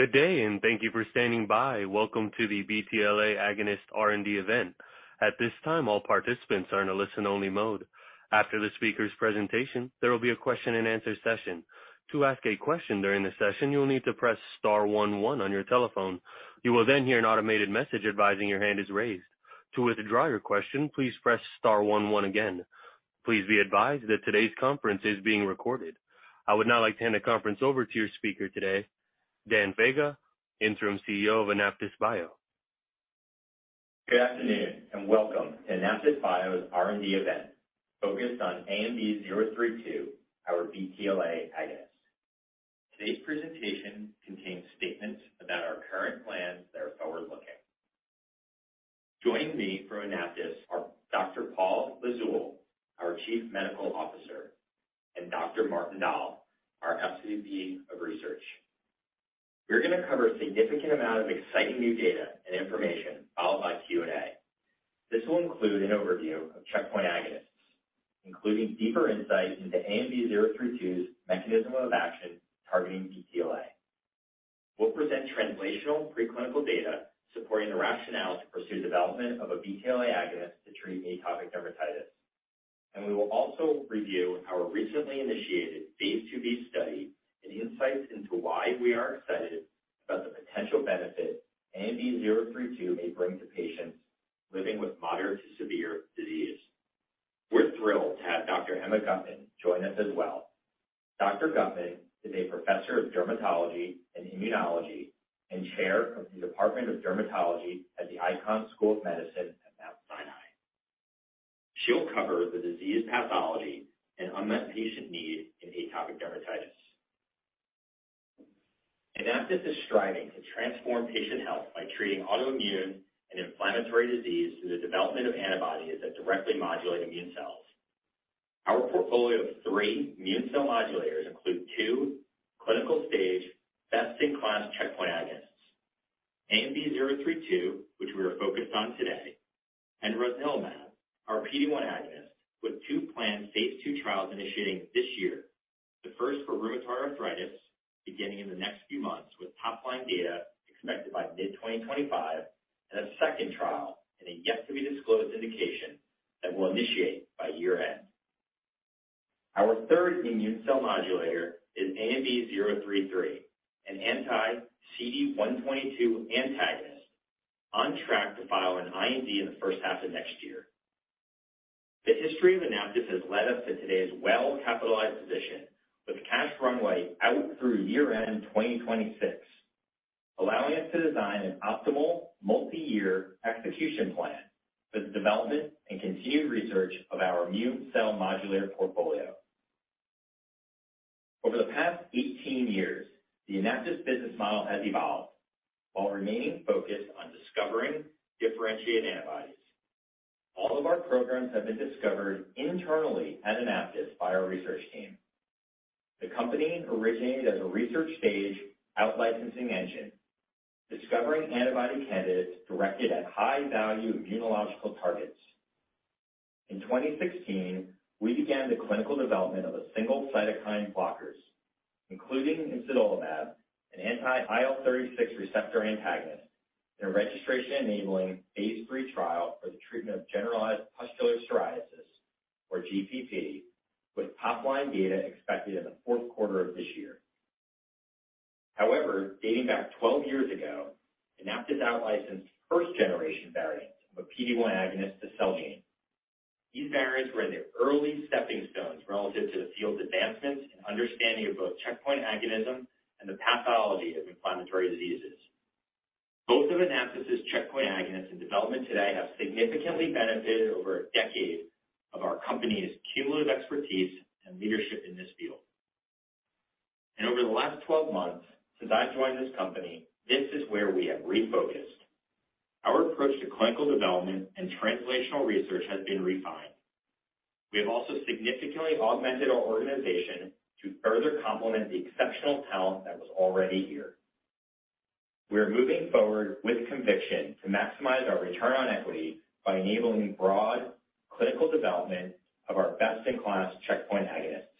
Good day, and thank you for standing by. Welcome to the BTLA Agonist R&D event. At this time, all participants are in a listen-only mode. After the speaker's presentation, there will be a question-and-answer session. To ask a question during the session, you will need to press star one one on your telephone. You will then hear an automated message advising your hand is raised. To withdraw your question, please press star one one again. Please be advised that today's conference is being recorded. I would now like to hand the conference over to your speaker today, Dan Faga, Interim CEO of AnaptysBio. Good afternoon. Welcome to AnaptysBio's R&D event, focused on ANB032, our BTLA agonist. Today's presentation contains statements about our current plans that are forward-looking. Joining me from AnaptysBio are Dr. Paul Lizzul, our Chief Medical Officer, and Dr. Martin Dahl, our SVP of Research. We're going to cover a significant amount of exciting new data and information, followed by Q and A. This will include an overview of checkpoint agonists, including deeper insights into ANB032's mechanism of action targeting BTLA. We'll present translational preclinical data supporting the rationale to pursue development of a BTLA agonist to treat atopic dermatitis. We will also review our recently initiated phase IIb study and insights into why we are excited about the potential benefit ANB032 may bring to patients living with moderate to severe disease. We're thrilled to have Dr. Emma Guttman join us as well. Guttman is a professor of dermatology and immunology and chair of the Department of Dermatology at the Icahn School of Medicine at Mount Sinai. She'll cover the disease pathology and unmet patient need in atopic dermatitis. AnaptysBio is striving to transform patient health by treating autoimmune and inflammatory disease through the development of antibodies that directly modulate immune cells. Our portfolio of three immune cell modulators include two clinical-stage, best-in-class checkpoint agonists: ANB032, which we are focused on today, and rosnilimab, our PD-1 agonist, with two planned phase II trials initiating this year. The first for rheumatoid arthritis, beginning in the next few months, with top-line data expected by mid-2025, and a second trial in a yet to be disclosed indication that will initiate by year-end. Our third immune cell modulator is ANB033, an anti-CD122 antagonist, on track to file an IND in the first half of next year. The history of AnaptysBio has led us to today's well-capitalized position, with cash runway out through year-end 2026, allowing us to design an optimal multi-year execution plan for the development and continued research of our immune cell modulator portfolio. Over the past 18 years, the AnaptysBio business model has evolved while remaining focused on discovering differentiated antibodies. All of our programs have been discovered internally at AnaptysBio by our research team. The company originated as a research stage out-licensing engine, discovering antibody candidates directed at high-value immunological targets. In 2016, we began the clinical development of a single cytokine blockers, including imsidolimab, an anti-IL-36 receptor antagonist, in a registration-enabling phase III trial for the treatment of generalized pustular psoriasis, or GPP, with top-line data expected in the fourth quarter of this year. Dating back 12 years ago, AnaptysBio outlicensed first-generation variants of a PD-1 agonist to Celgene. These variants were in the early stepping stones relative to the field's advancements and understanding of both checkpoint agonism and the pathology of inflammatory diseases. Both of AnaptysBio checkpoint agonists in development today have significantly benefited over a decade of our company's cumulative expertise and leadership in this field. Over the last 12 months, since I've joined this company, this is where we have refocused. Our approach to clinical development and translational research has been refined. We have also significantly augmented our organization to further complement the exceptional talent that was already here. We are moving forward with conviction to maximize our return on equity by enabling broad clinical development of our best-in-class checkpoint agonists,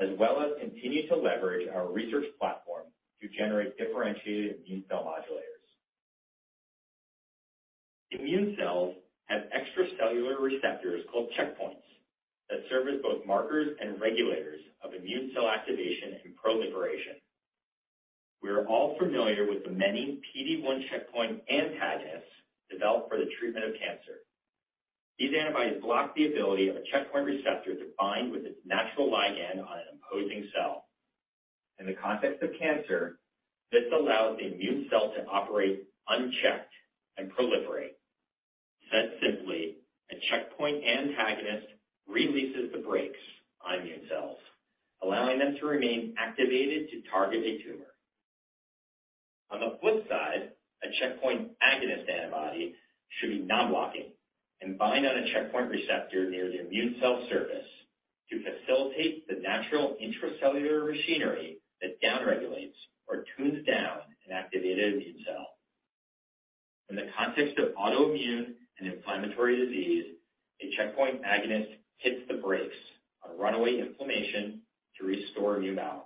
as well as continue to leverage our research platform to generate differentiated immune cell modulators. Immune cells have extracellular receptors called checkpoints that serve as both markers and regulators of immune cell activation and proliferation. We are all familiar with the many PD-1 checkpoint antagonists developed for the treatment of cancer. These antibodies block the ability of a checkpoint receptor to bind with its natural ligand on an opposing cell. In the context of cancer, this allows the immune cell to operate unchecked and proliferate. Said simply, a checkpoint antagonist releases the brakes on immune cells, allowing them to remain activated to target a tumor. On the flip side, a checkpoint agonist antibody should be non-blocking and bind on a checkpoint receptor near the immune cell surface to facilitate the natural intracellular machinery that downregulates or tunes down an activated immune cell. In the context of autoimmune and inflammatory disease, a checkpoint agonist hits the brakes on runaway inflammation to restore immune balance.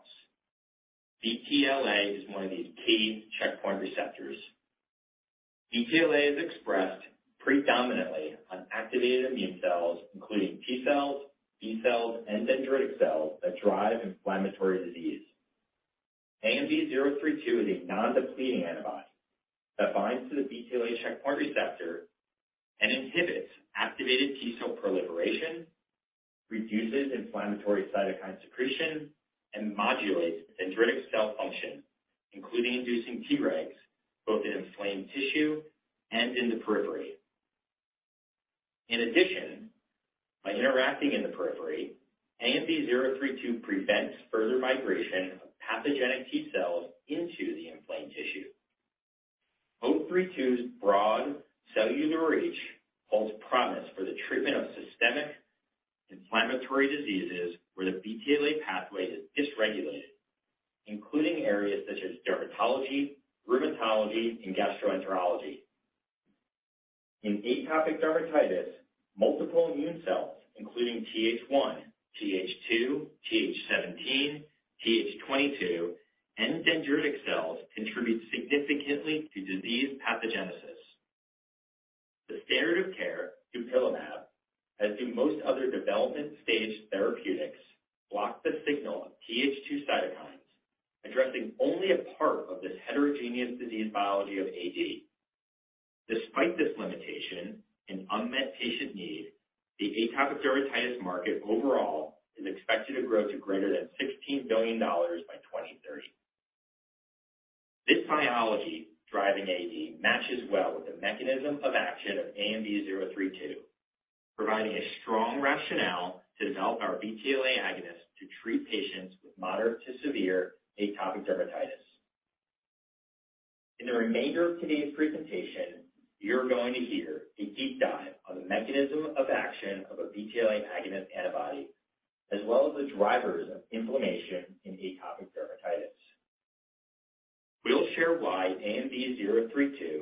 BTLA is one of these key checkpoint receptors. BTLA is expressed predominantly on activated immune cells, including T cells, B cells, and dendritic cells that drive inflammatory disease. ANB032 is a non-depleting antibody that binds to the BTLA checkpoint receptor and inhibits activated T cell proliferation, reduces inflammatory cytokine secretion, and modulates dendritic cell function, including inducing Tregs, both in inflamed tissue and in the periphery. By interacting in the periphery, ANB032 prevents further migration of pathogenic T cells into the inflamed tissue. ANB032's broad cellular reach holds promise for the treatment of systemic inflammatory diseases where the BTLA pathway is dysregulated, including areas such as dermatology, rheumatology, and gastroenterology. In atopic dermatitis, multiple immune cells, including Th1, Th2, Th17, Th22, and dendritic cells, contribute significantly to disease pathogenesis. The standard of care, dupilumab, as do most other development-stage therapeutics, block the signal of Th2 cytokines, addressing only a part of this heterogeneous disease biology of AD. Despite this limitation and unmet patient need, the atopic dermatitis market overall is expected to grow to greater than $16 billion by 2030. This biology driving AD matches well with the mechanism of action of ANB032, providing a strong rationale to develop our BTLA agonist to treat patients with moderate to severe atopic dermatitis. In the remainder of today's presentation, you're going to hear a deep dive on the mechanism of action of a BTLA agonist antibody, as well as the drivers of inflammation in atopic dermatitis. We'll share why ANB032,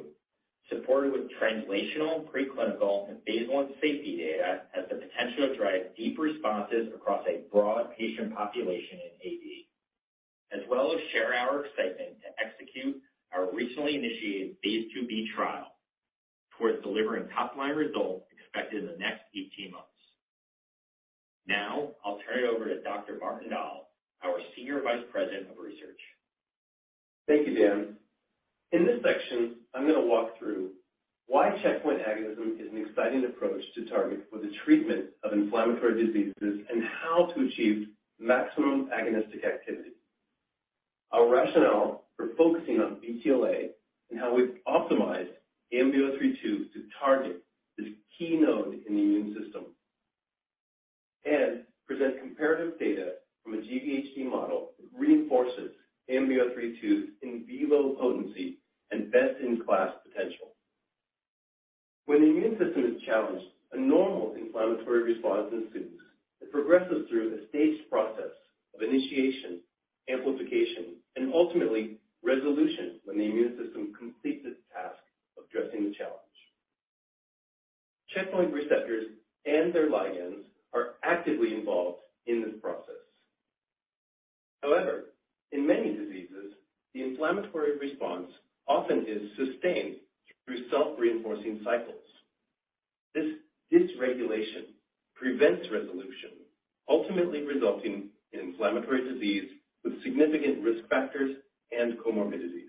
supported with translational, preclinical, and phase I safety data, has the potential to drive deep responses across a broad patient population in AD, as well as share our excitement to execute our recently initiated phase 2B trial towards delivering top-line results expected in the next 18 months. I'll turn it over to Dr. Martin Dahl, our Senior Vice President of Research. Thank you, Dan. In this section, I'm going to walk through why checkpoint agonism is an exciting approach to target for the treatment of inflammatory diseases, and how to achieve maximum agonistic activity. Our rationale for focusing on BTLA, and how we've optimized ANB032 to target this key node in the immune system, and present comparative data from a GvHD model that reinforces ANB032's in vivo potency and best-in-class potential. When the immune system is challenged, a normal inflammatory response ensues. It progresses through a staged process of initiation, amplification, and ultimately, resolution when the immune system completes its task of addressing the challenge. Checkpoint receptors and their ligands are actively involved in this process. However, in many diseases, the inflammatory response often is sustained through self-reinforcing cycles. This dysregulation prevents resolution, ultimately resulting in inflammatory disease with significant risk factors and comorbidities.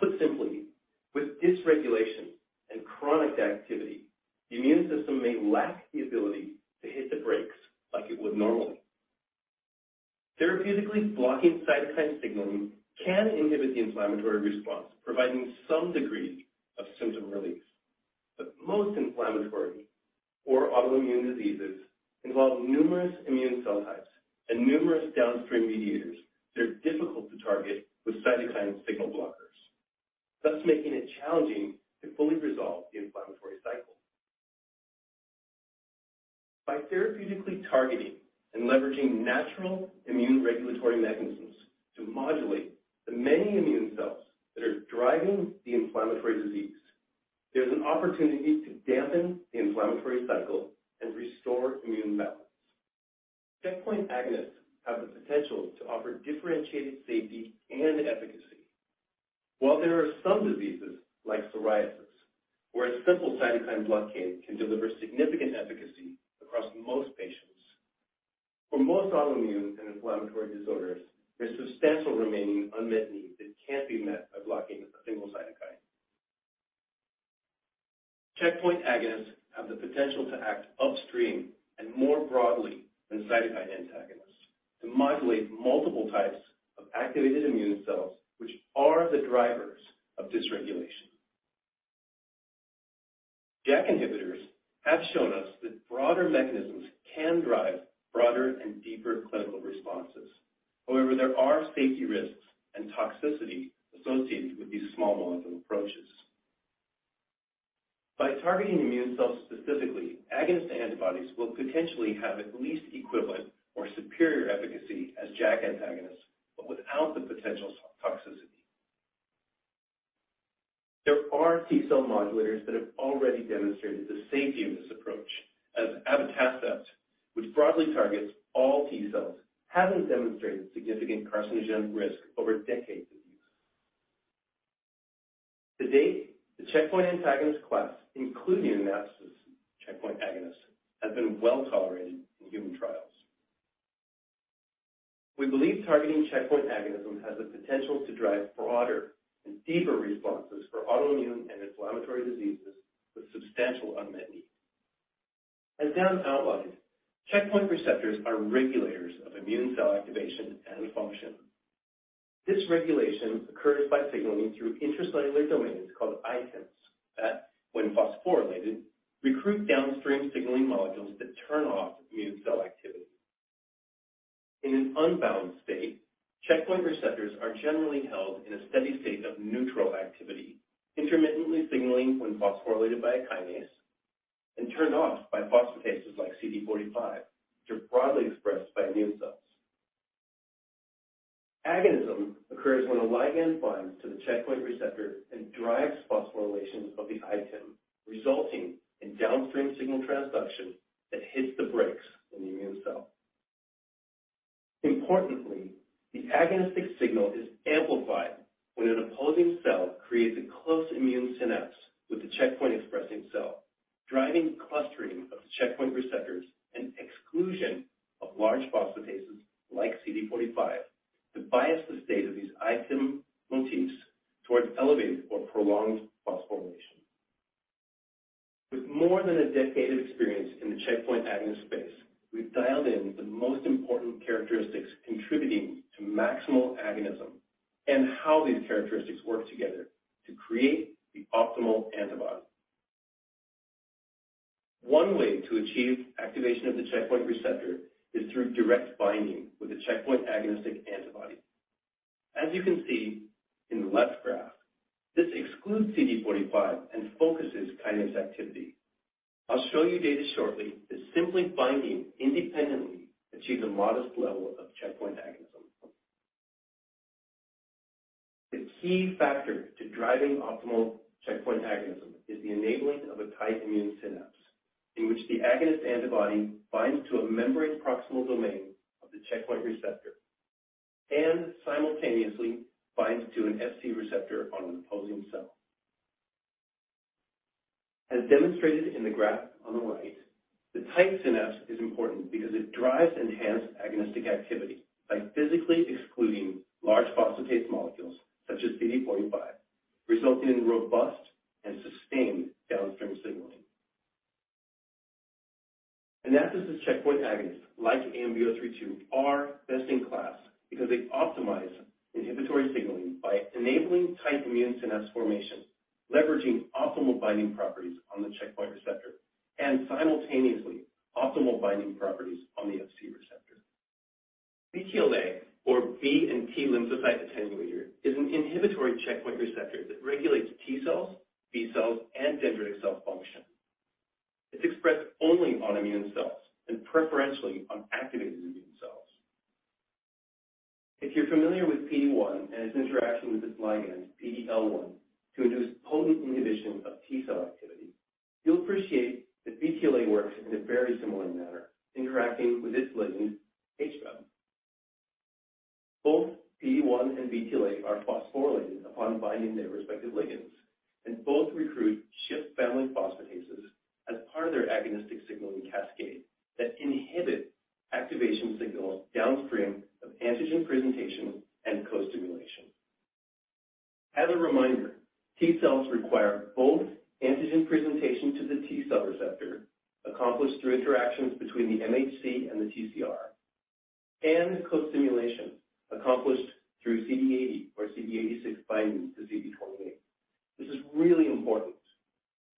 Put simply, with dysregulation and chronic activity, the immune system may lack the ability to hit the brakes like it would normally. Therapeutically blocking cytokine signaling can inhibit the inflammatory response, providing some degree of symptom relief. Most inflammatory or autoimmune diseases involve numerous immune cell types and numerous downstream mediators that are difficult to target with cytokine signal blockers, thus making it challenging to fully resolve the inflammatory cycle. By therapeutically targeting and leveraging natural immune regulatory mechanisms to modulate the many immune cells that are driving the inflammatory disease, there's an opportunity to dampen the inflammatory cycle and restore immune balance. Checkpoint agonists have the potential to offer differentiated safety and efficacy. There are some diseases, like psoriasis, where a simple cytokine blockade can deliver significant efficacy across most patients, for most autoimmune and inflammatory disorders, there's substantial remaining unmet need that can't be met by blocking a single cytokine. Checkpoint agonists have the potential to act upstream and more broadly than cytokine antagonists to modulate multiple types of activated immune cells, which are the drivers of dysregulation. JAK inhibitors have shown us that broader mechanisms can drive broader and deeper clinical responses. However, there are safety risks and toxicity associated with these small molecule approaches. By targeting immune cells specifically, agonist antibodies will potentially have at least equivalent or superior efficacy as JAK antagonists, but without the potential toxicity. There are T-cell modulators that have already demonstrated the safety of this approach, as abatacept, which broadly targets all T cells, haven't demonstrated significant carcinogenic risk over decades of use. To date, the checkpoint antagonist class, including AnaptysBio checkpoint agonists, has been well tolerated in human trials. We believe targeting checkpoint agonism has the potential to drive broader and deeper responses for autoimmune and inflammatory diseases with substantial unmet need. As Dan outlined, checkpoint receptors are regulators of immune cell activation and function. This regulation occurs by signaling through intracellular domains called ITIMs, that when phosphorylated, recruit downstream signaling modules that turn off immune cell activity. In an unbound state, checkpoint receptors are generally held in a steady state of neutral activity, intermittently signaling when phosphorylated by a kinase and turned off by phosphatases like CD45, which are broadly expressed by immune cells. Agonism occurs when a ligand binds to the checkpoint receptor and drives phosphorylation of the ITIM, resulting in downstream signal transduction that hits the brakes in the immune cell. Importantly, the agonistic signal is amplified when an opposing cell creates a close immune synapse with the checkpoint-expressing cell, driving clustering of the checkpoint receptors and exclusion of large phosphatases like CD45, to bias the state of these ITIM motifs towards elevated or prolonged phosphorylation. With more than a decade of experience in the checkpoint agonist space, we've dialed in the most important characteristics contributing to maximal agonism and how these characteristics work together to create the optimal antibody. One way to achieve activation of the checkpoint receptor is through direct binding with a checkpoint agonistic antibody. As you can see in the left graph, this excludes CD45 and focuses kinase activity. I'll show you data shortly that simply binding independently achieves a modest level of checkpoint agonism. The key factor to driving optimal checkpoint agonism is the enabling of a tight immune synapse, in which the agonist antibody binds to a membrane-proximal domain of the checkpoint receptor and simultaneously binds to an FC receptor on an opposing cell. As demonstrated in the graph on the right, the tight synapse is important because it drives enhanced agonistic activity by physically excluding large phosphatase molecules, such as CD45, resulting in robust and sustained downstream signaling. AnaptysBio checkpoint agonists, like ANB032, are best in class because they optimize inhibitory signaling by enabling tight immune synapse formation, leveraging optimal binding properties on the checkpoint receptor and simultaneously optimal binding properties on the FC receptor. BTLA, or B- and T-lymphocyte attenuator, is an inhibitory checkpoint receptor that regulates T cells, B cells, and dendritic cell function. It's expressed only on immune cells and preferentially on activated immune cells. If you're familiar with PD-1 and its interaction with its ligand, P1, to induce potent inhibition of T cell activity, you'll appreciate that BTLA works in a very similar manner, interacting with its ligand, HVEM. Both PD-1 and BTLA are phosphorylated upon binding their respective ligands, and both recruit SHIP family phosphatases as part of their agonistic signaling cascade that inhibit activation signals downstream of antigen presentation and co-stimulation. As a reminder, T cells require both antigen presentation to the T cell receptor, accomplished through interactions between the MHC and the TCR, and co-stimulation, accomplished through CD80 or CD86 binding to CD28. This is really important.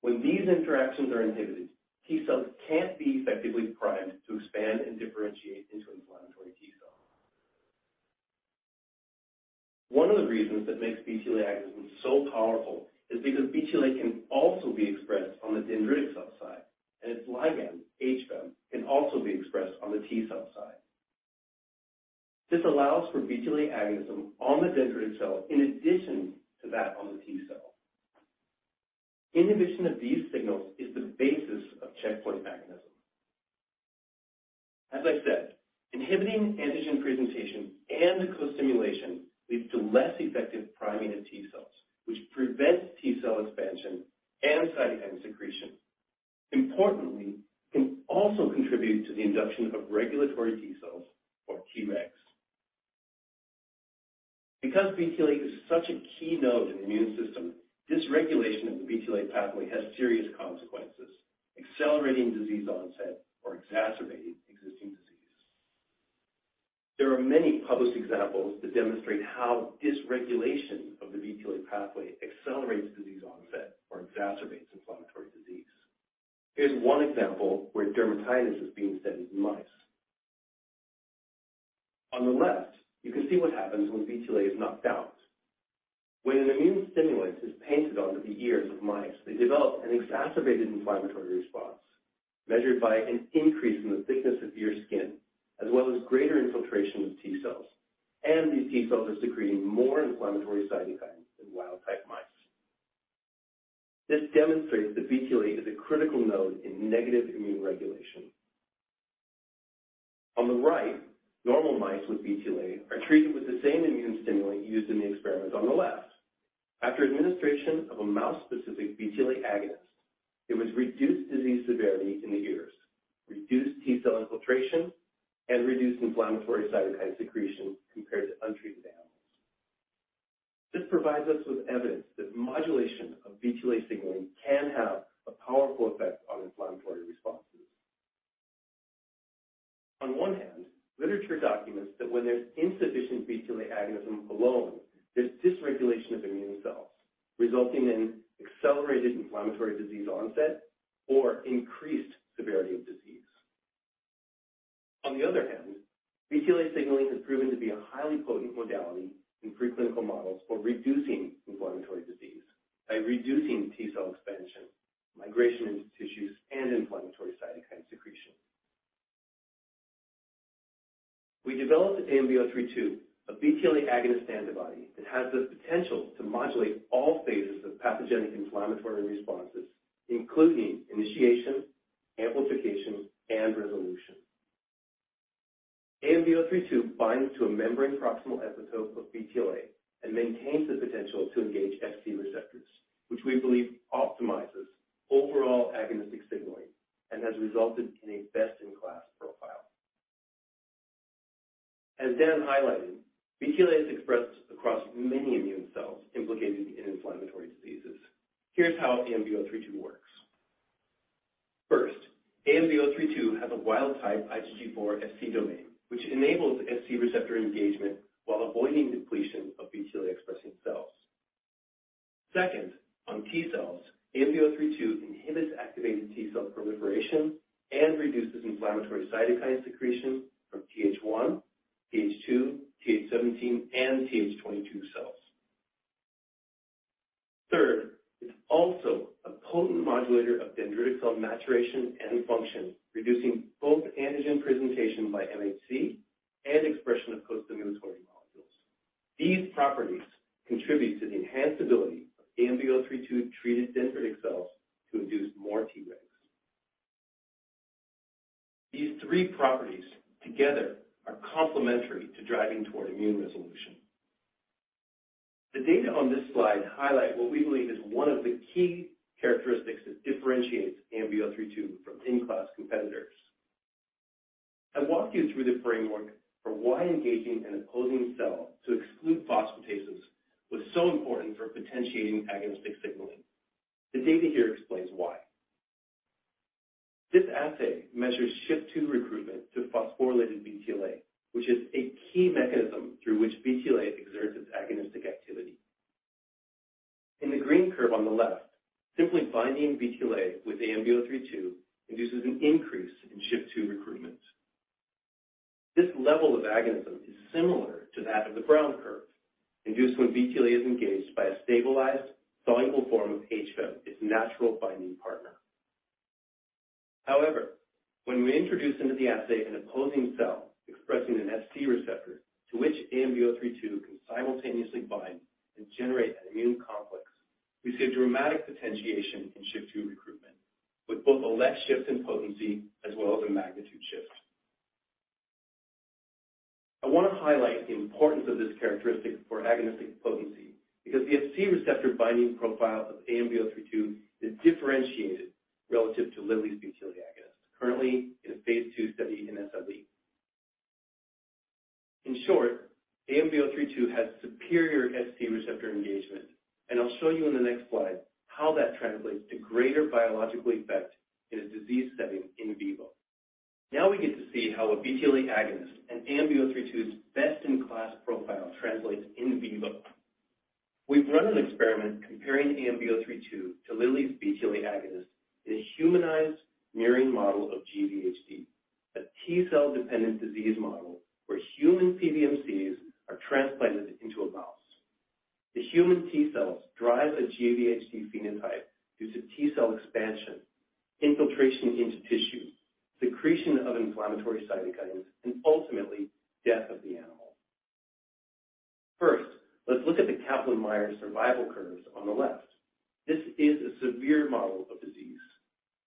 When these interactions are inhibited, T cells can't be effectively primed to expand and differentiate into inflammatory T cells. One of the reasons that makes BTLA agonism so powerful is because BTLA can also be expressed on the dendritic cell side, and its ligand, HVEM, can also be expressed on the T cell side. This allows for BTLA agonism on the dendritic cell in addition to that on the T cell. Inhibition of these signals is the basis of checkpoint agonism. As I said, inhibiting antigen presentation and co-stimulation leads to less effective priming of T cells, which prevents T cell expansion and cytokine secretion. Importantly, it can also contribute to the induction of regulatory T cells or Tregs. Because BTLA is such a key node in the immune system, dysregulation of the BTLA pathway has serious consequences, accelerating disease onset or exacerbating existing disease. There are many published examples that demonstrate how dysregulation of the BTLA pathway accelerates disease onset or exacerbates inflammatory disease. Here's one example where dermatitis is being studied in mice. On the left, you can see what happens when BTLA is knocked out. When an immune stimulant is painted onto the ears of mice, they develop an exacerbated inflammatory response, measured by an increase in the thickness of ear skin, as well as greater infiltration of T cells. These T cells are secreting more inflammatory cytokines than wild-type mice. This demonstrates that BTLA is a critical node in negative immune regulation. On the right, normal mice with BTLA are treated with the same immune stimulant used in the experiment on the left. After administration of a mouse-specific BTLA agonist, it was reduced disease severity in the ears, reduced T cell infiltration, and reduced inflammatory cytokine secretion compared to untreated animals. This provides us with evidence that modulation of BTLA signaling can have a powerful effect on inflammatory responses. On one hand, literature documents that when there's insufficient BTLA agonism alone, there's dysregulation of immune cells, resulting in accelerated inflammatory disease onset or increased severity of disease. On the other hand, BTLA signaling has proven to be a highly potent modality in preclinical models for reducing inflammatory disease by reducing T cell expansion, migration into tissues, and inflammatory cytokine secretion. We developed ANB032, a BTLA agonist antibody that has the potential to modulate all phases of pathogenic inflammatory responses, including initiation, amplification, and resolution. ANB032 binds to a membrane-proximal epitope of BTLA and maintains the potential to engage FC receptors, which we believe optimizes overall agonistic signaling and has resulted in a best-in-class profile. As Dan highlighted, BTLA is expressed across many immune cells implicated in inflammatory diseases. Here's how ANB032 works. First, ANB032 has a wild-type IgG4 FC domain, which enables FC receptor engagement while avoiding depletion of BTLA-expressing cells. Second, on T cells, ANB032 inhibits activated T cell proliferation and reduces inflammatory cytokine secretion from Th1, Th2, Th17, and Th22 cells. Third, it's also a potent modulator of dendritic cell maturation and function, reducing both antigen presentation by MHC and expression of costimulatory molecules. These properties contribute to the enhanced ability of ANB032-treated dendritic cells to induce more Tregs. These three properties together are complementary to driving toward immune resolution. The data on this slide highlight what we believe is one of the key characteristics that differentiates ANB032 from in-class competitors. I walked you through the framework for why engaging an opposing cell to exclude phosphatases was so important for potentiating agonistic signaling. The data here explains why. This assay measures SHP-2 recruitment to phosphorylated BTLA, which is a key mechanism through which BTLA exerts its agonistic activity. In the green curve on the left, simply binding BTLA with ANB032 induces an increase in SHP-2 recruitment. This level of agonism is similar to that of the brown curve, induced when BTLA is engaged by a stabilized, soluble form of HVEM, its natural binding partner. However, when we introduce into the assay an opposing cell expressing an FC receptor, to which ANB032 can simultaneously bind and generate an immune complex, we see a dramatic potentiation in SHP-2 recruitment, with both a left shift in potency as well as a magnitude shift. I want to highlight the importance of this characteristic for agonistic potency, because the FC receptor binding profile of ANB032 is differentiated relative to Lilly's BTLA agonist, currently in a phase II study in SLE. In short, ANB032 has superior FC receptor engagement, and I'll show you in the next slide how that translates to greater biological effect in a disease setting in vivo. Now we get to see how a BTLA agonist and ANB032's best-in-class profile translates in vivo. We've run an experiment comparing ANB032 to Lilly's BTLA agonist in a humanized murine model of GVHD, a T cell-dependent disease model where human PBMCs are transplanted into a mouse. The human T cells drive a GVHD phenotype due to T cell expansion, infiltration into tissue, secretion of inflammatory cytokines, and ultimately, death of the animal. First, let's look at the Kaplan-Meier survival curves on the left. This is a severe model of disease.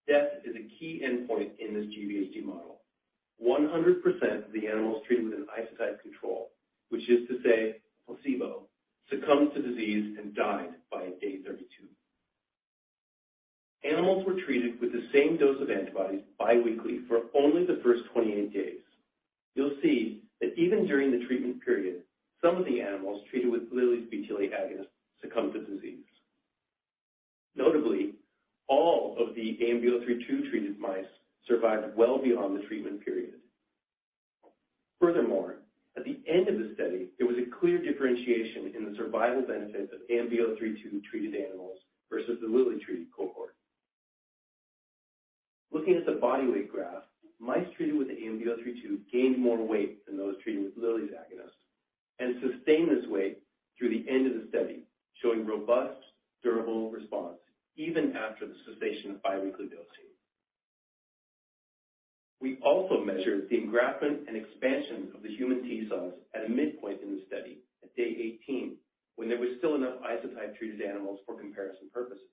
Death is a key endpoint in this GVHD model. 100% of the animals treated with an isotype control, which is to say, placebo, succumbed to disease and died by day 32. Animals were treated with the same dose of antibodies biweekly for only the first 28 days. You'll see that even during the treatment period, some of the animals treated with Lilly's BTLA agonist succumbed to disease. Notably, all of the ANB032-treated mice survived well beyond the treatment period. Furthermore, at the end of the study, there was a clear differentiation in the survival benefits of ANB032-treated animals versus the Lilly-treated cohort. Looking at the body weight graph, mice treated with the ANB032 gained more weight than those treated with Lilly's agonist and sustained this weight through the end of the study, showing robust, durable response even after the cessation of bi-weekly dosing. We also measured the engraftment and expansion of the human T cells at a midpoint in the study, at day 18, when there was still enough isotype-treated animals for comparison purposes.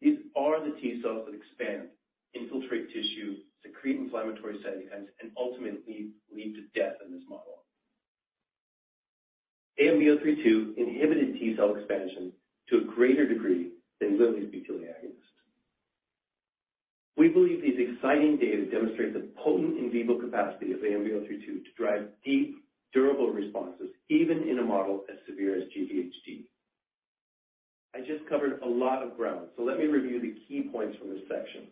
These are the T cells that expand, infiltrate tissue, secrete inflammatory cytokines, and ultimately lead to death in this model. ANB032 inhibited T cell expansion to a greater degree than Eli Lilly and Company's BTLA agonist. We believe these exciting data demonstrate the potent in vivo capacity of ANB032 to drive deep, durable responses, even in a model as severe as GVHD. I just covered a lot of ground, so let me review the key points from this section.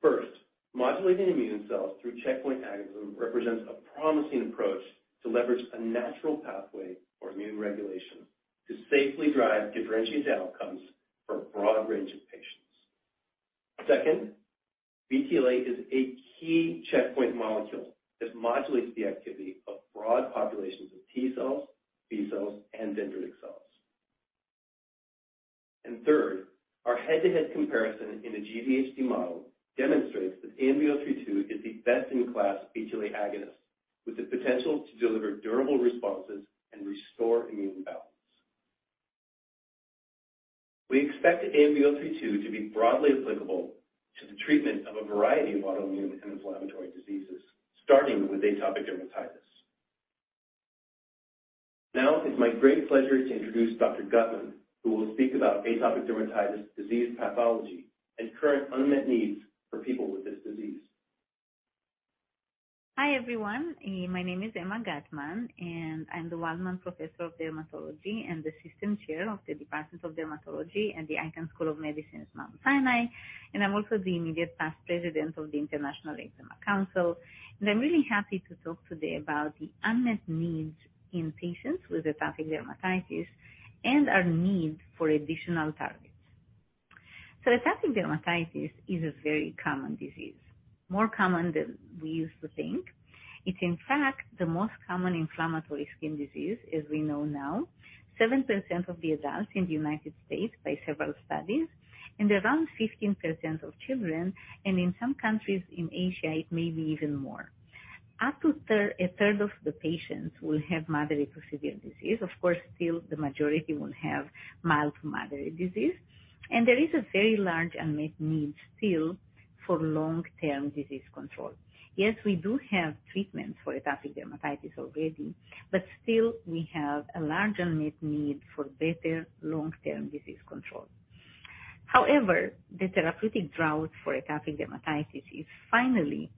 First, modulating immune cells through checkpoint agonism represents a promising approach to leverage a natural pathway for immune regulation to safely drive differentiated outcomes for a broad range of patients. Second, BTLA is a key checkpoint molecule that modulates the activity of broad populations of T cells, B cells, and dendritic cells. Third, our head-to-head comparison in a GVHD model demonstrates that ANB032 is the best-in-class BTLA agonist with the potential to deliver durable responses and restore immune balance. We expect ANB032 to be broadly applicable to the treatment of a variety of autoimmune and inflammatory diseases, starting with atopic dermatitis. It's my great pleasure to introduce Dr. Guttman, who will speak about atopic dermatitis, disease pathology, and current unmet needs for people with this disease. Hi, everyone. My name is Emma Guttman. I'm the Waldman Professor of Dermatology and the Assistant Chair of the Department of Dermatology at the Icahn School of Medicine at Mount Sinai. I'm also the immediate past president of the International Eczema Council. I'm really happy to talk today about the unmet needs in patients with atopic dermatitis and our need for additional targets. Atopic dermatitis is a very common disease, more common than we used to think. It's in fact the most common inflammatory skin disease as we know now. 7% of the adults in the United States by several studies, and around 15% of children, and in some countries in Asia, it may be even more. Up to a third of the patients will have moderate to severe disease. Of course, still, the majority will have mild to moderate disease. There is a very large unmet need still for long-term disease control. Yes, we do have treatments for atopic dermatitis already. Still we have a large unmet need for better long-term disease control. However, the therapeutic drought for atopic dermatitis is finally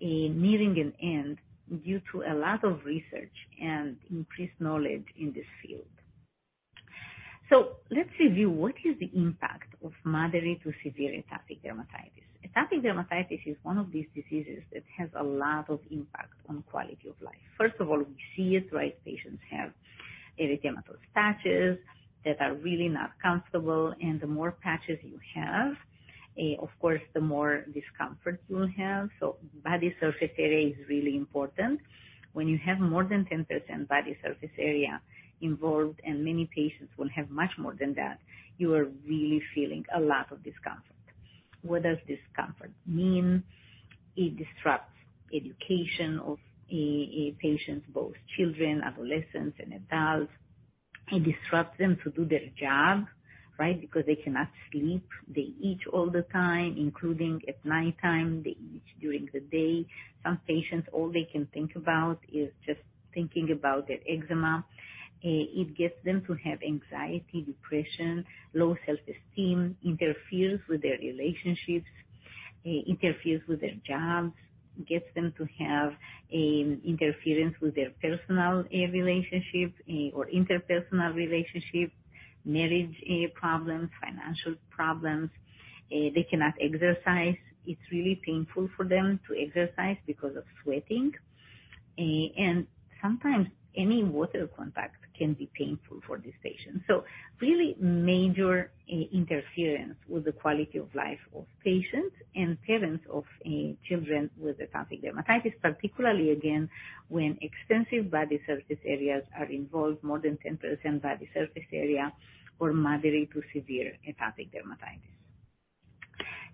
nearing an end due to a lot of research and increased knowledge in this field. Let's review: What is the impact of moderate to severe atopic dermatitis? Atopic dermatitis is one of these diseases that has a lot of impact on quality of life. First of all, we see it, right? Patients have erythematous patches that are really not comfortable, and the more patches you have, of course, the more discomfort you will have. Body surface area is really important. When you have more than 10% body surface area involved, and many patients will have much more than that, you are really feeling a lot of discomfort. What does discomfort mean? It disrupts education of a patient, both children, adolescents, and adults. It disrupts them to do their job, right? Because they cannot sleep. They itch all the time, including at nighttime. They itch during the day. Some patients, all they can think about is just thinking about their eczema. It gets them to have anxiety, depression, low self-esteem, interferes with their relationships, interferes with their jobs, gets them to have an interference with their personal relationship or interpersonal relationship, marriage problems, financial problems. They cannot exercise. It's really painful for them to exercise because of sweating. And sometimes any water contact can be painful for these patients. Really major interference with the quality of life of patients and parents of children with atopic dermatitis, particularly again, when extensive body surface areas are involved, more than 10% body surface area for moderate to severe atopic dermatitis.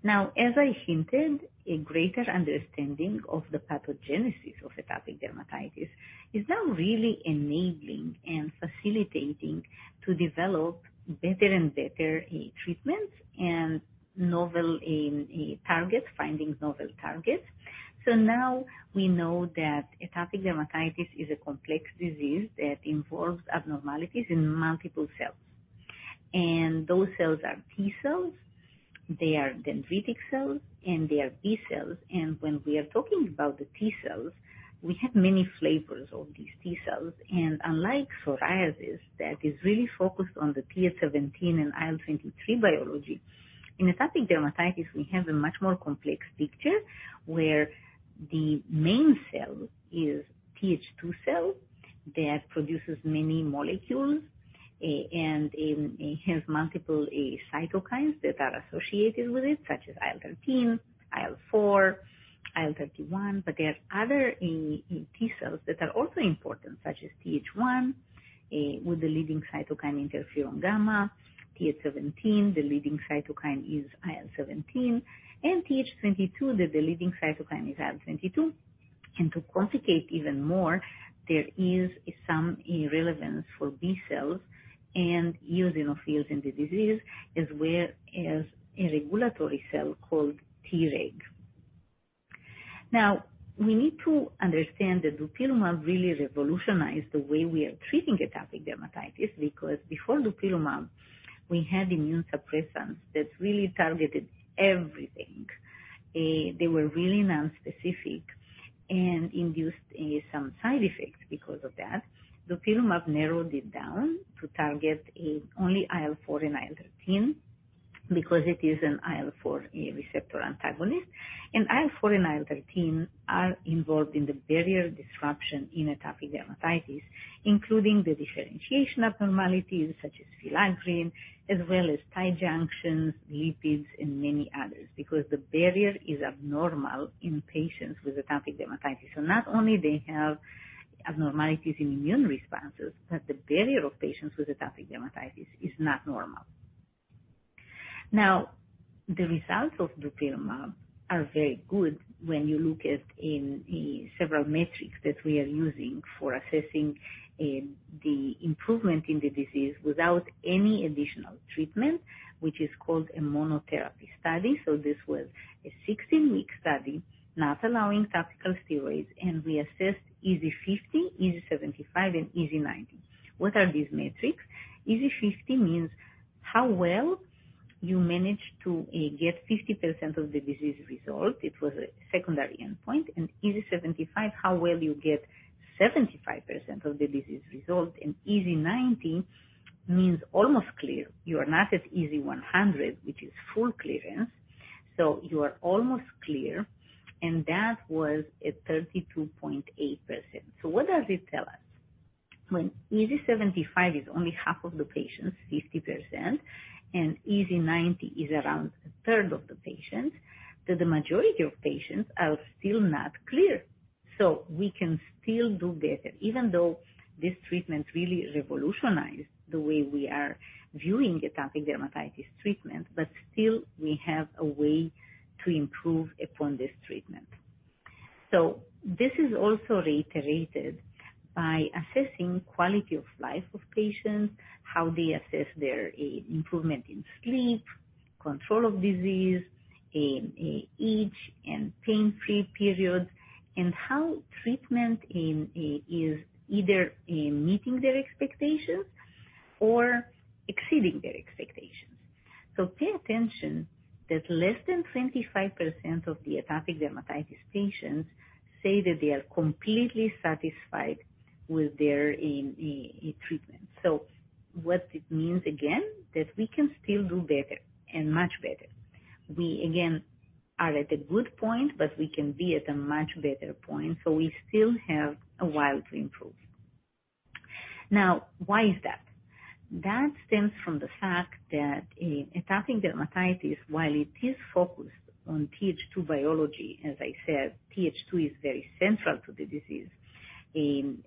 As I hinted, a greater understanding of the pathogenesis of atopic dermatitis is now really enabling and facilitating to develop better and better treatments and novel targets, finding novel targets. Now we know that atopic dermatitis is a complex disease that involves abnormalities in multiple cells, and those cells are T cells, they are dendritic cells, and they are B cells. When we are talking about the T cells, we have many flavors of these T cells, and unlike psoriasis, that is really focused on the Th17 and IL-23 biology. In atopic dermatitis, we have a much more complex picture, where the main cell is Th2 cell that produces many molecules. It has multiple cytokines that are associated with it, such as IL-13, IL-4, IL-31. There are other T-cells that are also important, such as Th1 with the leading cytokine Interferon-gamma, Th17, the leading cytokine is IL-17, and Th22, that the leading cytokine is IL-22. To complicate even more, there is some irrelevance for B-cells and eosinophils in the disease, as well as a regulatory cell called Treg. We need to understand that dupilumab really revolutionized the way we are treating atopic dermatitis, because before dupilumab, we had immune suppressants that really targeted everything. They were really nonspecific and induced some side effects because of that. Dupilumab narrowed it down to target only IL-4 and IL-13, because it is an IL-4 receptor antagonist. IL-4 and IL-13 are involved in the barrier disruption in atopic dermatitis, including the differentiation abnormalities such as filaggrin, as well as tight junctions, lipids, and many others, because the barrier is abnormal in patients with atopic dermatitis. Not only they have abnormalities in immune responses, but the barrier of patients with atopic dermatitis is not normal. The results of dupilumab are very good when you look at in several metrics that we are using for assessing the improvement in the disease without any additional treatment, which is called a monotherapy study. This was a 16-week study, not allowing topical steroids, and we assessed EASI-50, EASI-75, and EASI-90. What are these metrics? EASI-50 means how well you managed to get 50% of the disease resolved. It was a secondary endpoint. EASI-75, how well you get 75% of the disease resolved. EASI-90 means almost clear. You are not at EASI-100, which is full clearance, so you are almost clear, and that was at 32.8%. What does it tell us? When EASI-75 is only half of the patients, 50%, and EASI-90 is around a third of the patients, that the majority of patients are still not clear. We can still do better, even though this treatment really revolutionized the way we are viewing atopic dermatitis treatment, but still we have a way to improve upon this treatment. This is also reiterated by assessing quality of life of patients, how they assess their improvement in sleep, control of disease, itch and pain-free periods, and how treatment is either meeting their expectations or exceeding their expectations. Pay attention that less than 25% of the atopic dermatitis patients say that they are completely satisfied with their treatment. What it means, again, that we can still do better and much better. We, again, are at a good point, but we can be at a much better point, so we still have a while to improve. Why is that? That stems from the fact that atopic dermatitis, while it is focused on Th2 biology, as I said, Th2 is very central to the disease,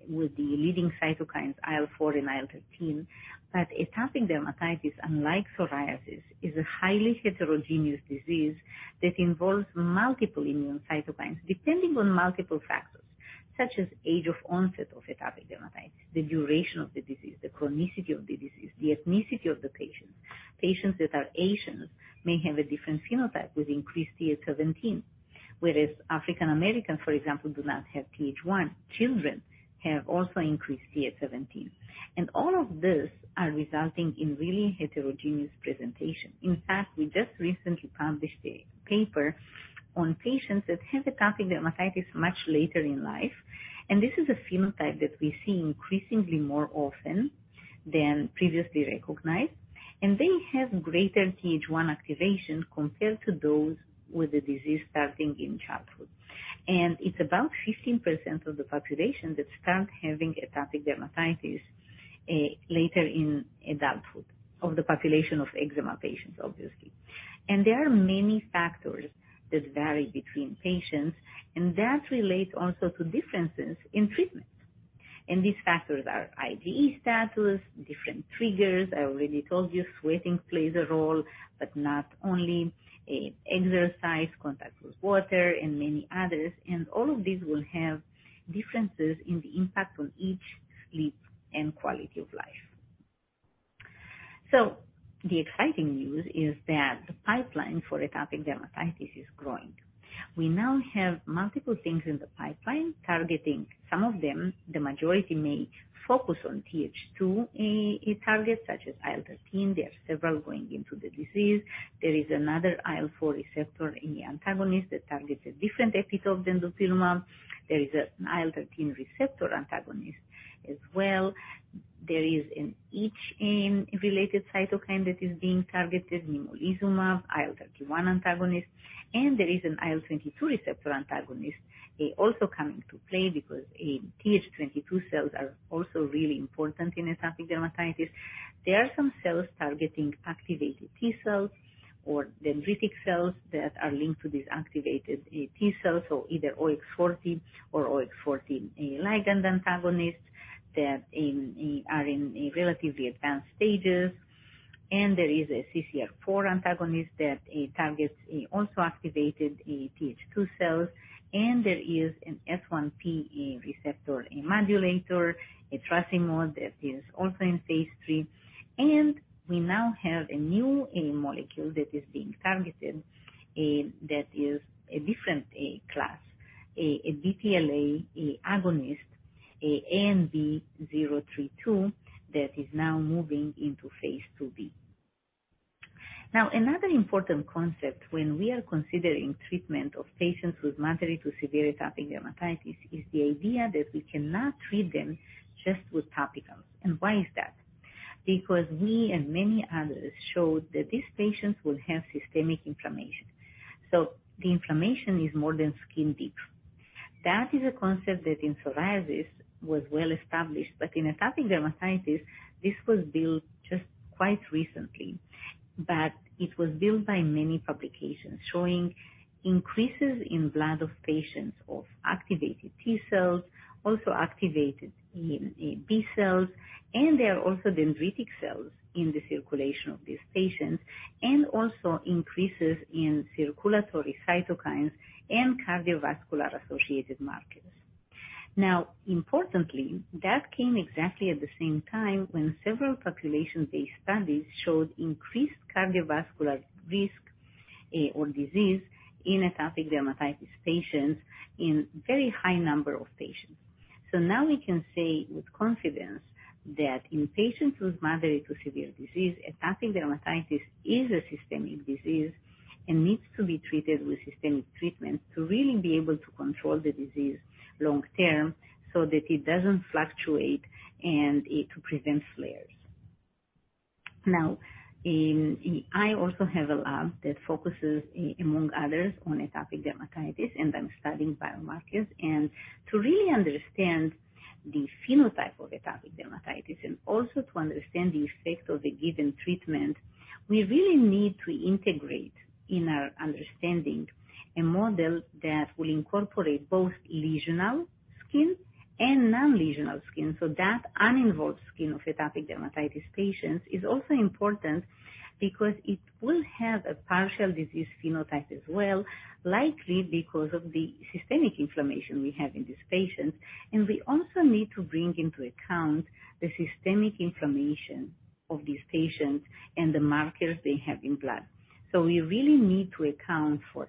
with the leading cytokines, IL-4 and IL-13. Atopic dermatitis, unlike psoriasis, is a highly heterogeneous disease that involves multiple immune cytokines, depending on multiple factors, such as age of onset of atopic dermatitis, the duration of the disease, the chronicity of the disease, the ethnicity of the patient. Patients that are Asian may have a different phenotype with increased Th17, whereas African American, for example, do not have Th1. Children have also increased Th17. All of these are resulting in really heterogeneous presentation. In fact, we just recently published a paper on patients that have atopic dermatitis much later in life, and this is a phenotype that we see increasingly more often than previously recognized. They have greater Th1 activation compared to those with the disease starting in childhood. It's about 15% of the population that start having atopic dermatitis later in adulthood, of the population of eczema patients, obviously. There are many factors that vary between patients, and that relates also to differences in treatment. These factors are IgE status, different triggers. I already told you, sweating plays a role, but not only, exercise, contact with water, and many others. All of these will have differences in the impact on itch, sleep, and quality of life. The exciting news is that the pipeline for atopic dermatitis is growing. We now have multiple things in the pipeline targeting some of them. The majority may focus on Th2 targets, such as IL-13. There are several going into the disease. There is another IL-4 receptor antagonist that targets a different epitope than dupilumab. There is an IL-13 receptor antagonist as well. There is an itch-aimed related cytokine that is being targeted, nemolizumab, IL-31 antagonist, and there is an IL-22 receptor antagonist. They also come into play because Th22 cells are also really important in atopic dermatitis. There are some cells targeting activated T-cells or dendritic cells that are linked to these activated T-cells, so either OX40 or OX40 ligand antagonist, that are in a relatively advanced stages. there is an S1P receptor modulator, etrasimod, that is also in phase III. we now have a new molecule that is being targeted, that is a different class, a BTLA agonist, ANB032, that is now moving into phase IIb. Now, another important concept when we are considering treatment of patients with moderate to severe atopic dermatitis is the idea that we cannot treat them just with topicals. Why is that? We and many others showed that these patients will have systemic inflammation. The inflammation is more than skin deep. That is a concept that in psoriasis was well established, but in atopic dermatitis, this was built just quite recently. It was built by many publications showing increases in blood of patients of activated T cells, also activated in B cells, and there are also dendritic cells in the circulation of these patients, and also increases in circulatory cytokines and cardiovascular-associated markers. Importantly, that came exactly at the same time when several population-based studies showed increased cardiovascular risk or disease in atopic dermatitis patients in very high number of patients. Now we can say with confidence that in patients with moderate to severe disease, atopic dermatitis is a systemic disease and needs to be treated with systemic treatment to really be able to control the disease long term so that it doesn't fluctuate and it prevents flares. I also have a lab that focuses, among others, on atopic dermatitis, and I'm studying biomarkers. To really understand the phenotype of atopic dermatitis and also to understand the effect of the given treatment, we really need to integrate in our understanding a model that will incorporate both lesional skin and non-lesional skin. That uninvolved skin of atopic dermatitis patients is also important because it will have a partial disease phenotype as well, likely because of the systemic inflammation we have in these patients. We also need to bring into account the systemic inflammation of these patients and the markers they have in blood. We really need to account for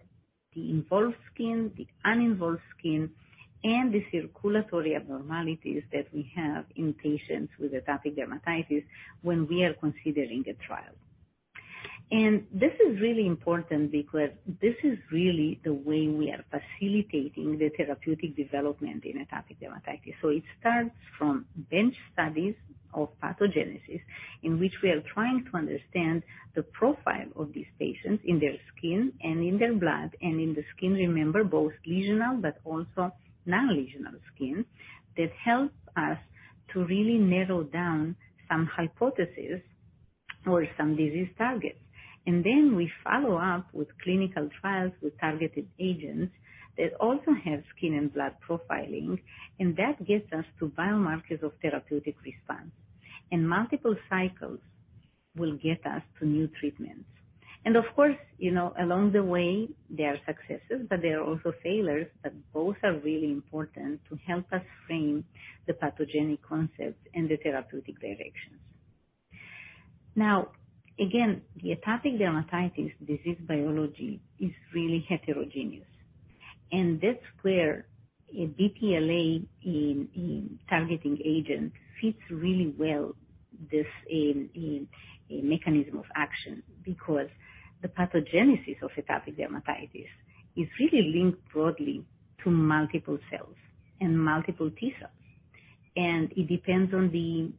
the involved skin, the uninvolved skin, and the circulatory abnormalities that we have in patients with atopic dermatitis when we are considering a trial. This is really important because this is really the way we are facilitating the therapeutic development in atopic dermatitis. It starts from bench studies of pathogenesis, in which we are trying to understand the profile of these patients in their skin and in their blood, and in the skin, remember, both lesional but also non-lesional skin. That helps us to really narrow down some hypothesis or some disease targets. Then we follow up with clinical trials with targeted agents that also have skin and blood profiling, and that gets us to biomarkers of therapeutic response. Multiple cycles will get us to new treatments. Of course, you know, along the way, there are successes, but there are also failures, but both are really important to help us frame the pathogenic concepts and the therapeutic directions. Again, the atopic dermatitis disease biology is really heterogeneous, and that's where a BTLA in targeting agent fits really well this a mechanism of action, because the pathogenesis of atopic dermatitis is really linked broadly to multiple cells and multiple T cells. It depends on the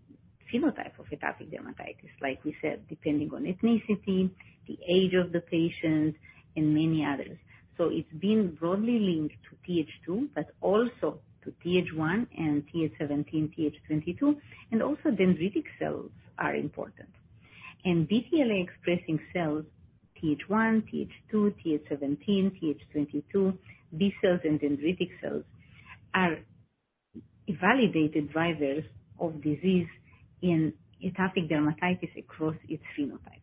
phenotype of atopic dermatitis, like we said, depending on ethnicity, the age of the patient, and many others. It's been broadly linked to Th2, but also to Th1 and Th17, Th22, and also dendritic cells are important. BTLA-expressing cells, Th1, Th2, Th17, Th22, B cells and dendritic cells, are validated drivers of disease in atopic dermatitis across its phenotypes.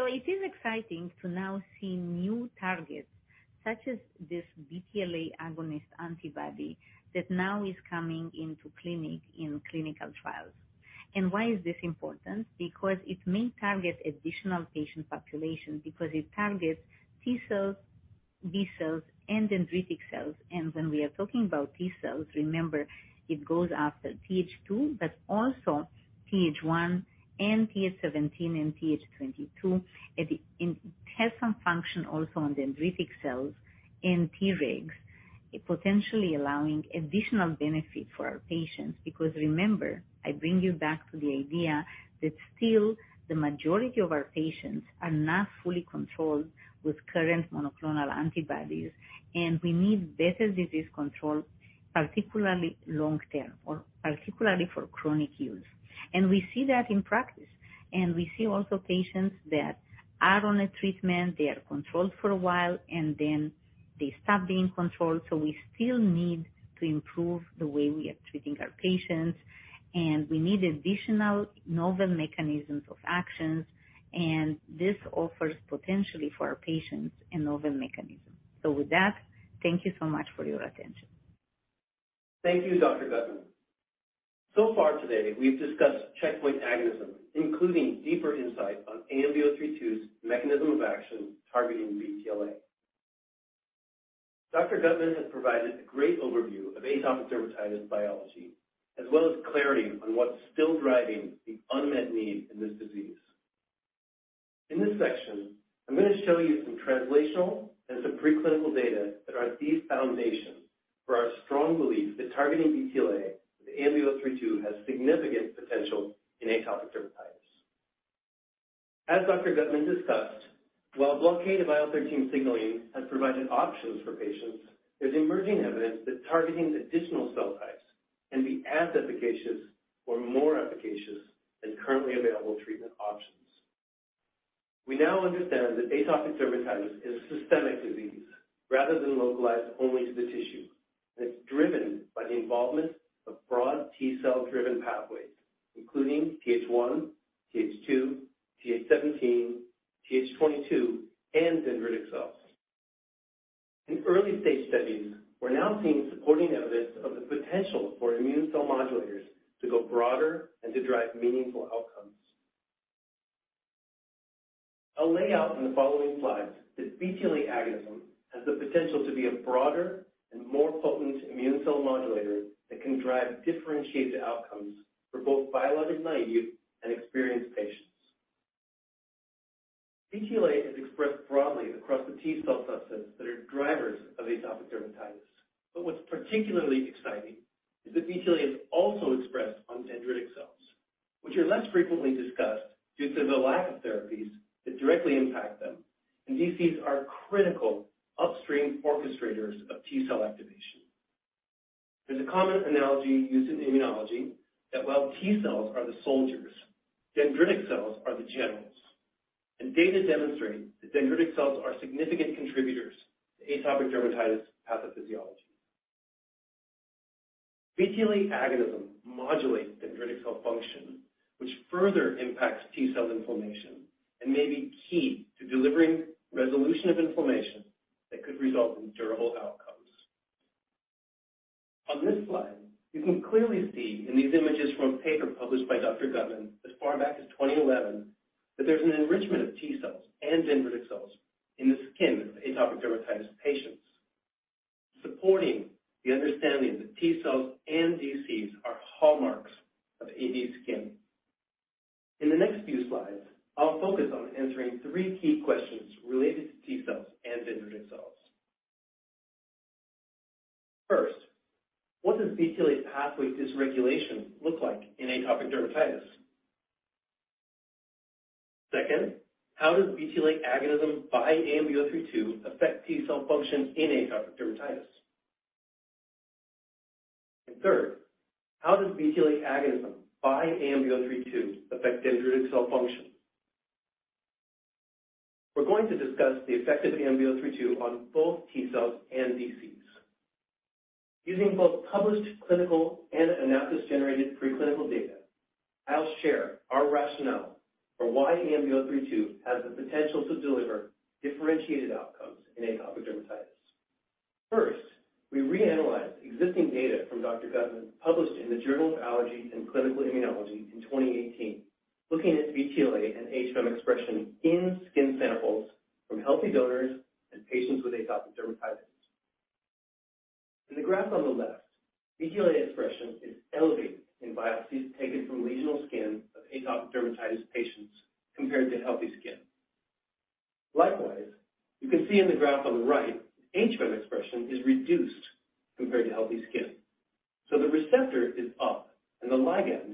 It is exciting to now see new targets, such as this BTLA agonist antibody, that now is coming into clinic in clinical trials. Why is this important? Because it may target additional patient populations, because it targets T cells, B cells, and dendritic cells. When we are talking about T cells, remember, it goes after Th2, but also Th1 and Th17 and Th22. It has some function also on dendritic cells and Tregs, potentially allowing additional benefit for our patients. Because, remember, I bring you back to the idea that still the majority of our patients are not fully controlled with current monoclonal antibodies, and we need better disease control, particularly long term or particularly for chronic use. We see that in practice. We see also patients that are on a treatment, they are controlled for a while, and then they stop being controlled. We still need to improve the way we are treating our patients, and we need additional novel mechanisms of actions. This offers potentially for our patients a novel mechanism. With that, thank you so much for your attention. Thank you, Dr. Guttman. So far today, we've discussed checkpoint agonism, including deeper insight on ANB032's mechanism of action targeting BTLA. Dr. Gutman has provided a great overview of atopic dermatitis biology, as well as clarity on what's still driving the unmet need in this disease. In this section, I'm going to show you some translational and some preclinical data that are the foundation for our strong belief that targeting BTLA with ANB032 has significant potential in atopic dermatitis. As Dr. Guttman discussed, while blockade of IL-13 signaling has provided options for patients, there's emerging evidence that targeting additional cell types can be as efficacious or more efficacious than currently available treatment options. We now understand that atopic dermatitis is a systemic disease rather than localized only to the tissue, and it's driven by the involvement of broad T cell-driven pathways, including Th1, Th2, Th17, Th22, and dendritic cells. In early-stage studies, we're now seeing supporting evidence of the potential for immune cell modulators to go broader and to drive meaningful outcomes. I'll lay out in the following slides that BTLA agonism has the potential to be a broader and more potent immune cell modulator that can drive differentiated outcomes for both biologic, naive, and experienced patients. BTLA is expressed broadly across the T cell substance that are drivers of atopic dermatitis, but what's particularly exciting is that BTLA is also expressed on dendritic cells, which are less frequently discussed due to the lack of therapies that directly impact them, and these fees are critical upstream orchestrators of T cell activation. There's a common analogy used in immunology that while T cells are the soldiers, dendritic cells are the generals, and data demonstrate that dendritic cells are significant contributors to atopic dermatitis pathophysiology. BTLA agonism modulates dendritic cell function, which further impacts T cell inflammation and may be key to delivering resolution of inflammation that could result in durable outcomes. On this slide, you can clearly see in these images from a paper published by Dr. Gutman as far back as 2011, that there's an enrichment of T cells and dendritic cells in the skin of atopic dermatitis patients, supporting the understanding that T cells and DCs are hallmarks of AD skin. In the next few slides, I'll focus on answering three key questions related to T cells and dendritic cells. First, what does BTLA pathway dysregulation look like in atopic dermatitis? Second, how does BTLA agonism by ANB032 affect T cell function in atopic dermatitis? Third, how does BTLA agonism by ANB032 affect dendritic cell function? We're going to discuss the effect of ANB032 on both T cells and DCs. Using both published clinical and AnaptysBio generated preclinical data, I'll share our rationale for why ANB032 has the potential to deliver differentiated outcomes in atopic dermatitis. First, we reanalyzed existing data from Dr. Guttman, published in The Journal of Allergy and Clinical Immunology in 2018, looking at BTLA and HVEM expression in skin samples from healthy donors and patients with atopic dermatitis. In the graph on the left, BTLA expression is elevated in biopsies taken from lesional skin of atopic dermatitis patients compared to healthy skin. Likewise, you can see in the graph on the right, HVEM expression is reduced compared to healthy skin, so the receptor is up and the ligand is down.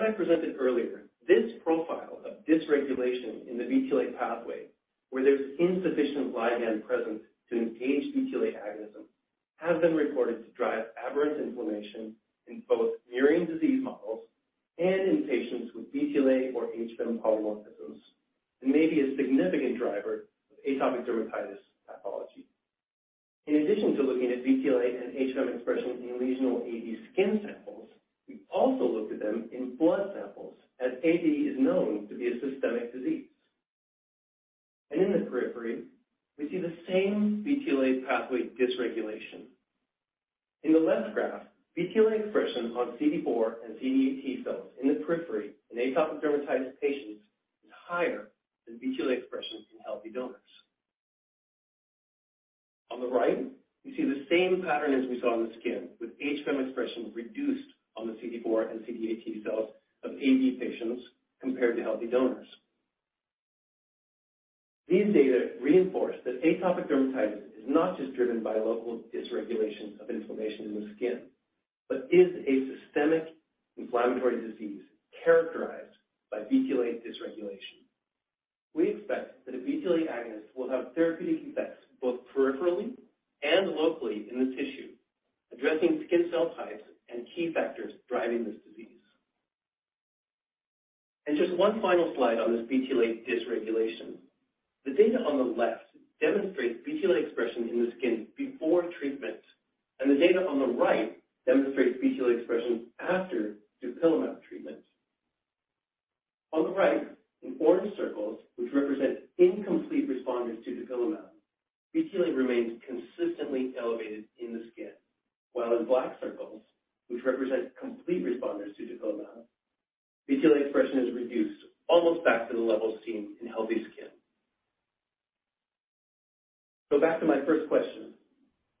As I presented earlier, this profile of dysregulation in the BTLA pathway, where there's insufficient ligand presence to engage BTLA agonism, have been reported to drive aberrant inflammation tissue, addressing skin cell types and key factors driving this disease. Just one final slide on this BTLA dysregulation. The data on the left demonstrates BTLA expression in the skin before treatment, and the data on the right demonstrates BTLA expression after dupilumab treatment. On the right, in orange circles, which represent incomplete responders to dupilumab, BTLA remains consistently elevated in the skin. In black circles, which represent complete responders to dupilumab, BTLA expression is reduced almost back to the levels seen in healthy skin. Back to my first question: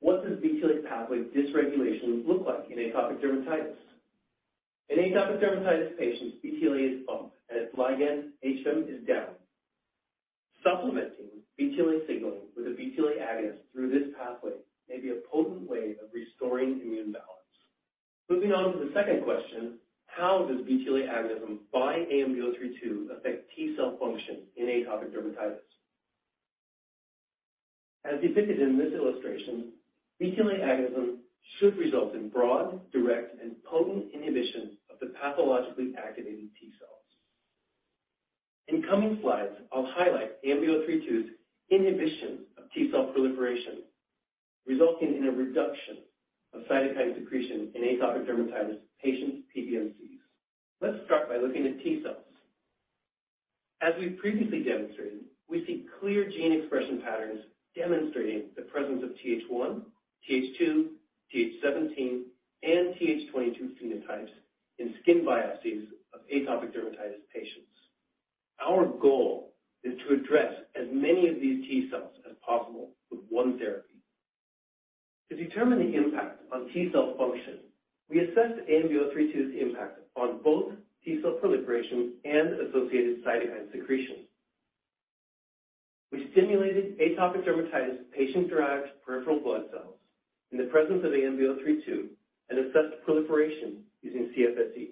What does BTLA pathway dysregulation look like in atopic dermatitis? In atopic dermatitis patients, BTLA is bumped and its ligand, HVEM, is down. Supplementing BTLA signaling with a BTLA agonist through this pathway may be a potent way of restoring immune balance. To the second question: How does BTLA agonism by ANB032 affect T cell function in atopic dermatitis? Depicted in this illustration, BTLA agonism should result in broad, direct, and potent inhibition of the pathologically activated T cells. Coming slides, I'll highlight ANB032's inhibition of T cell proliferation, resulting in a reduction of cytokine secretion in atopic dermatitis patient PBMCs. Start by looking at T cells. As we've previously demonstrated, we see clear gene expression patterns demonstrating the presence of Th1, Th2, Th17, and Th22 phenotypes in skin biopsies of atopic dermatitis patients. Our goal is to address as many of these T cells as possible with one therapy. To determine the impact on T cell function, we assessed ANB032's impact on both T cell proliferation and associated cytokine secretion. We stimulated atopic dermatitis patient-derived peripheral blood cells in the presence of ANB032 and assessed proliferation using CFSE.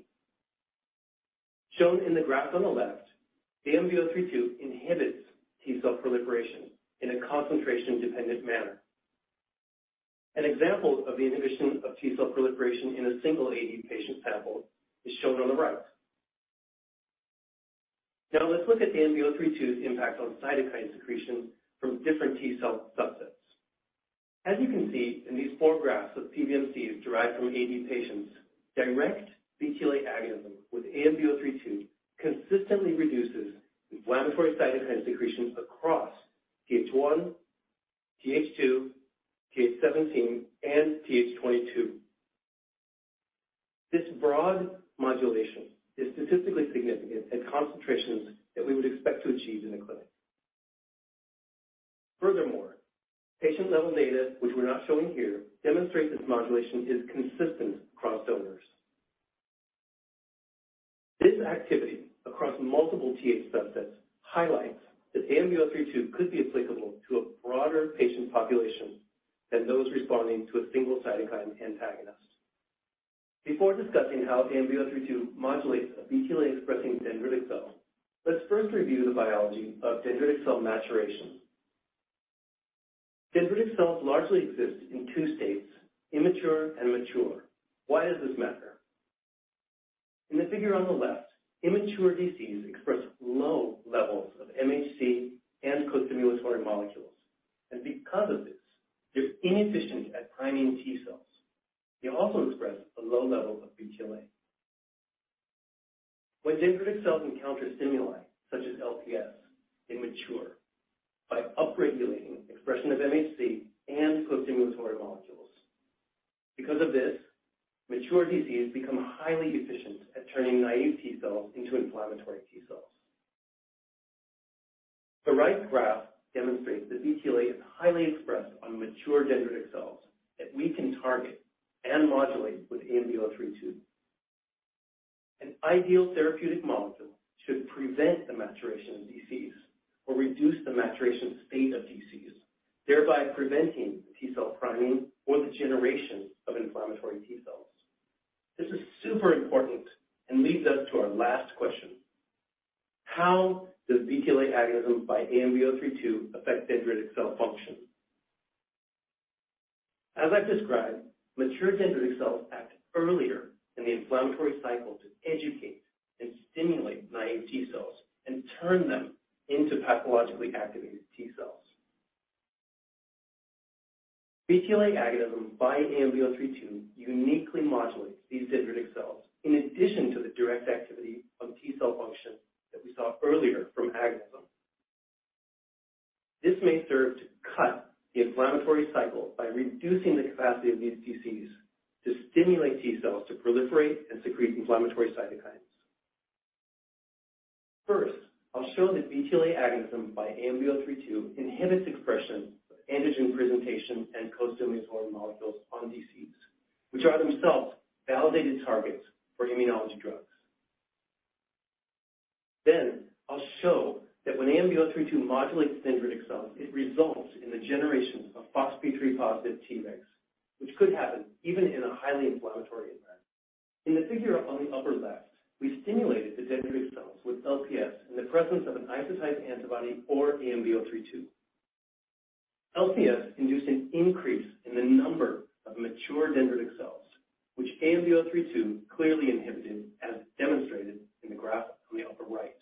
Shown in the graph on the left, ANB032 inhibits T cell proliferation in a concentration-dependent manner. An example of the inhibition of T cell proliferation in a single AD patient sample is shown on the right. Now, let's look at ANB032's impact on cytokine secretion from different T cell subsets. As you can see in these four graphs of PBMCs derived from AD patients, direct BTLA agonism with ANB032 consistently reduces inflammatory cytokine secretions across Th1, Th2, Th17, and Th22. This broad modulation is statistically significant at concentrations that we would expect to achieve in a clinic. Furthermore, patient-level data, which we're not showing here, demonstrate this modulation is consistent across donors. This activity across multiple Th subsets highlights that ANB032 could be applicable to a broader patient population than those responding to a single cytokine antagonist. Before discussing how ANB032 modulates a BTLA-expressing dendritic cell, let's first review the biology of dendritic cell maturation. Dendritic cells largely exist in two states, immature and mature. Why does this matter? In the figure on the left, immature DCs express low levels of MHC and costimulatory molecules, and because of this, they're inefficient at priming T cells. They also express a low level of BTLA. When dendritic cells encounter stimuli, such as LPS, they mature by upregulating expression of MHC and costimulatory molecules. Mature DCs become highly efficient at turning naive T cells into inflammatory T cells. The right graph demonstrates that BTLA is highly expressed on mature dendritic cells that we can target and modulate with ANB032. An ideal therapeutic molecule should prevent the maturation of DCs or reduce the maturation state of DCs, thereby preventing T cell priming or the generation of inflammatory T cells. This is super important and leads us to our last question: How does BTLA agonism by ANB032 affect dendritic cell function? As I've described, mature dendritic cells act earlier in the inflammatory cycle to educate and stimulate naive T cells and turn them into pathologically activated T cells. BTLA agonism by ANB032 uniquely modulates these dendritic cells, in addition to the direct activity on T cell function that we saw earlier from agonism. This may serve to cut the inflammatory cycle by reducing the capacity of these DCs to stimulate T cells to proliferate and secrete inflammatory cytokines. I'll show that BTLA agonism by ANB032 inhibits expression of antigen presentation and costimulatory molecules on DCs, which are themselves validated targets for immunology drugs. I'll show that when ANB032 modulates dendritic cells, it results in the generation of FoxP3-positive Tregs, which could happen even in a highly inflammatory environment. In the figure on the upper left, we stimulated the dendritic cells with LPS in the presence of an isotype antibody or ANB032. LPS induced an increase in the number of mature dendritic cells, which ANB032 clearly inhibited, as demonstrated in the graph on the upper right.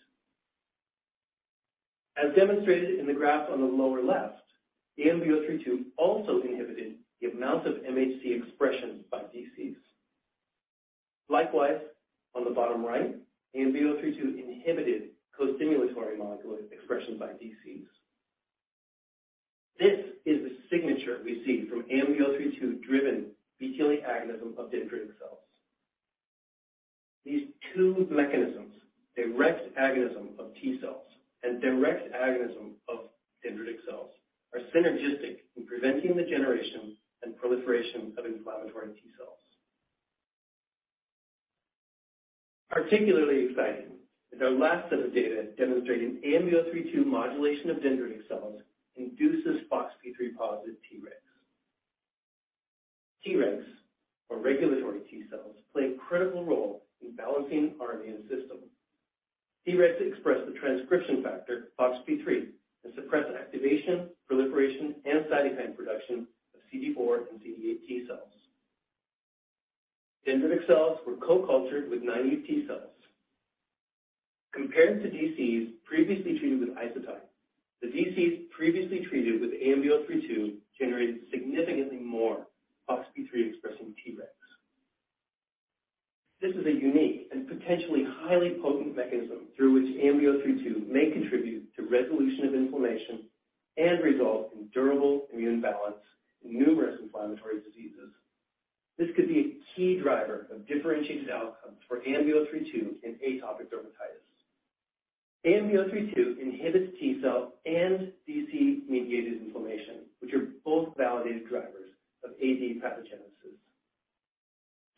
As demonstrated in the graph on the lower left, ANB032 also inhibited the amount of MHC expressions by DCs. On the bottom right, ANB032 inhibited co-stimulatory molecule expressions by DCs. This is the signature we see from ANB032-driven BTLA agonism of dendritic cells. These two mechanisms, direct agonism of T cells and direct agonism of dendritic cells, are synergistic in preventing the generation and proliferation of inflammatory T cells. Particularly exciting is our last set of data demonstrating ANB032 modulation of dendritic cells induces FoxP3 positive Tregs. Tregs, or regulatory T cells, play a critical role in balancing our immune system. Tregs express the transcription factor FoxP3 and suppress activation, proliferation, and cytokine production of CD4 and CD8 T cells. Dendritic cells were co-cultured with naive T cells. Compared to DCs previously treated with isotype, the DCs previously treated with ANB032 generated significantly more FoxP3-expressing Tregs. This is a unique and potentially highly potent mechanism through which ANB032 may contribute to resolution of inflammation and result in durable immune balance in numerous inflammatory diseases. This could be a key driver of differentiated outcomes for ANB032 in atopic dermatitis. ANB032 inhibits T cell and DC-mediated inflammation, which are both validated drivers of AD pathogenesis.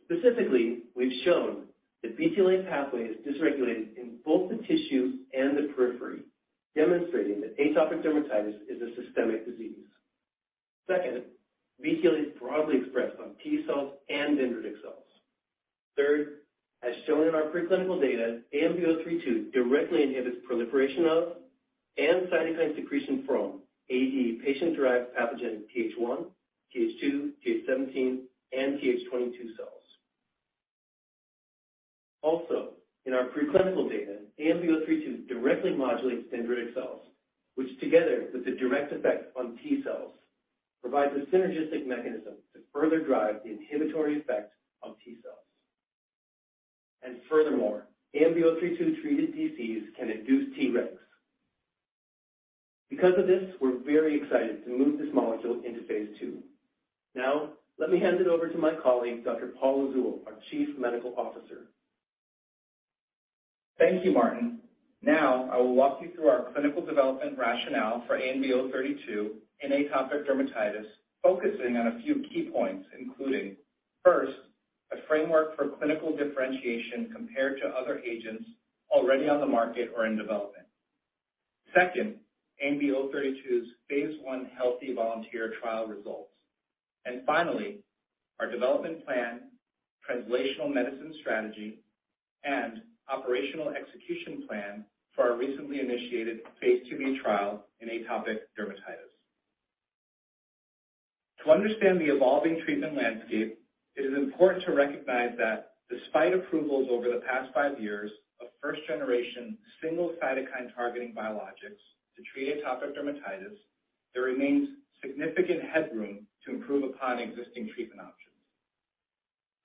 Specifically, we've shown the BTLA pathway is dysregulated in both the tissue and the periphery, demonstrating that atopic dermatitis is a systemic disease. Second, BTLA is broadly expressed on T cells and dendritic cells. Third, as shown in our preclinical data, ANB032 directly inhibits proliferation of, and cytokine secretion from, AD patient-derived pathogenic Th1, Th2, Th17, and Th22 cells. Also, in our preclinical data, ANB032 directly modulates dendritic cells, which, together with the direct effect on T cells, provides a synergistic mechanism to further drive the inhibitory effect on T cells. Furthermore, ANB032-treated DCs can induce Tregs. Because of this, we're very excited to move this molecule into phase two. Let me hand it over to my colleague, Dr. Paul Lizzul, our Chief Medical Officer. Thank you, Martin. Now, I will walk you through our clinical development rationale for ANB032 in atopic dermatitis, focusing on a few key points, including, first, a framework for clinical differentiation compared to other agents already on the market or in development. Second, ANB032's phase I healthy volunteer trial results. Finally, our development plan, translational medicine strategy, and operational execution plan for our recently initiated phase IIb trial in atopic dermatitis. To understand the evolving treatment landscape, it is important to recognize that despite approvals over the past five years of first-generation, single-cytokine-targeting biologics to treat atopic dermatitis, there remains significant headroom to improve upon existing treatment options.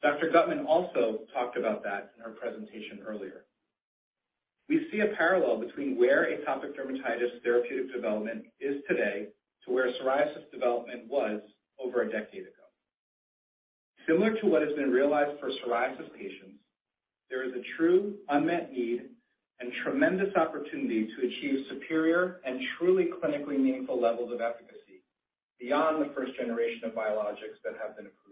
Dr. Guttman also talked about that in her presentation earlier. We see a parallel between where atopic dermatitis therapeutic development is today to where psoriasis development was over a decade ago. Similar to what has been realized for psoriasis patients, there is a true unmet need and tremendous opportunity to achieve superior and truly clinically meaningful levels of efficacy beyond the first generation of biologics that have been approved.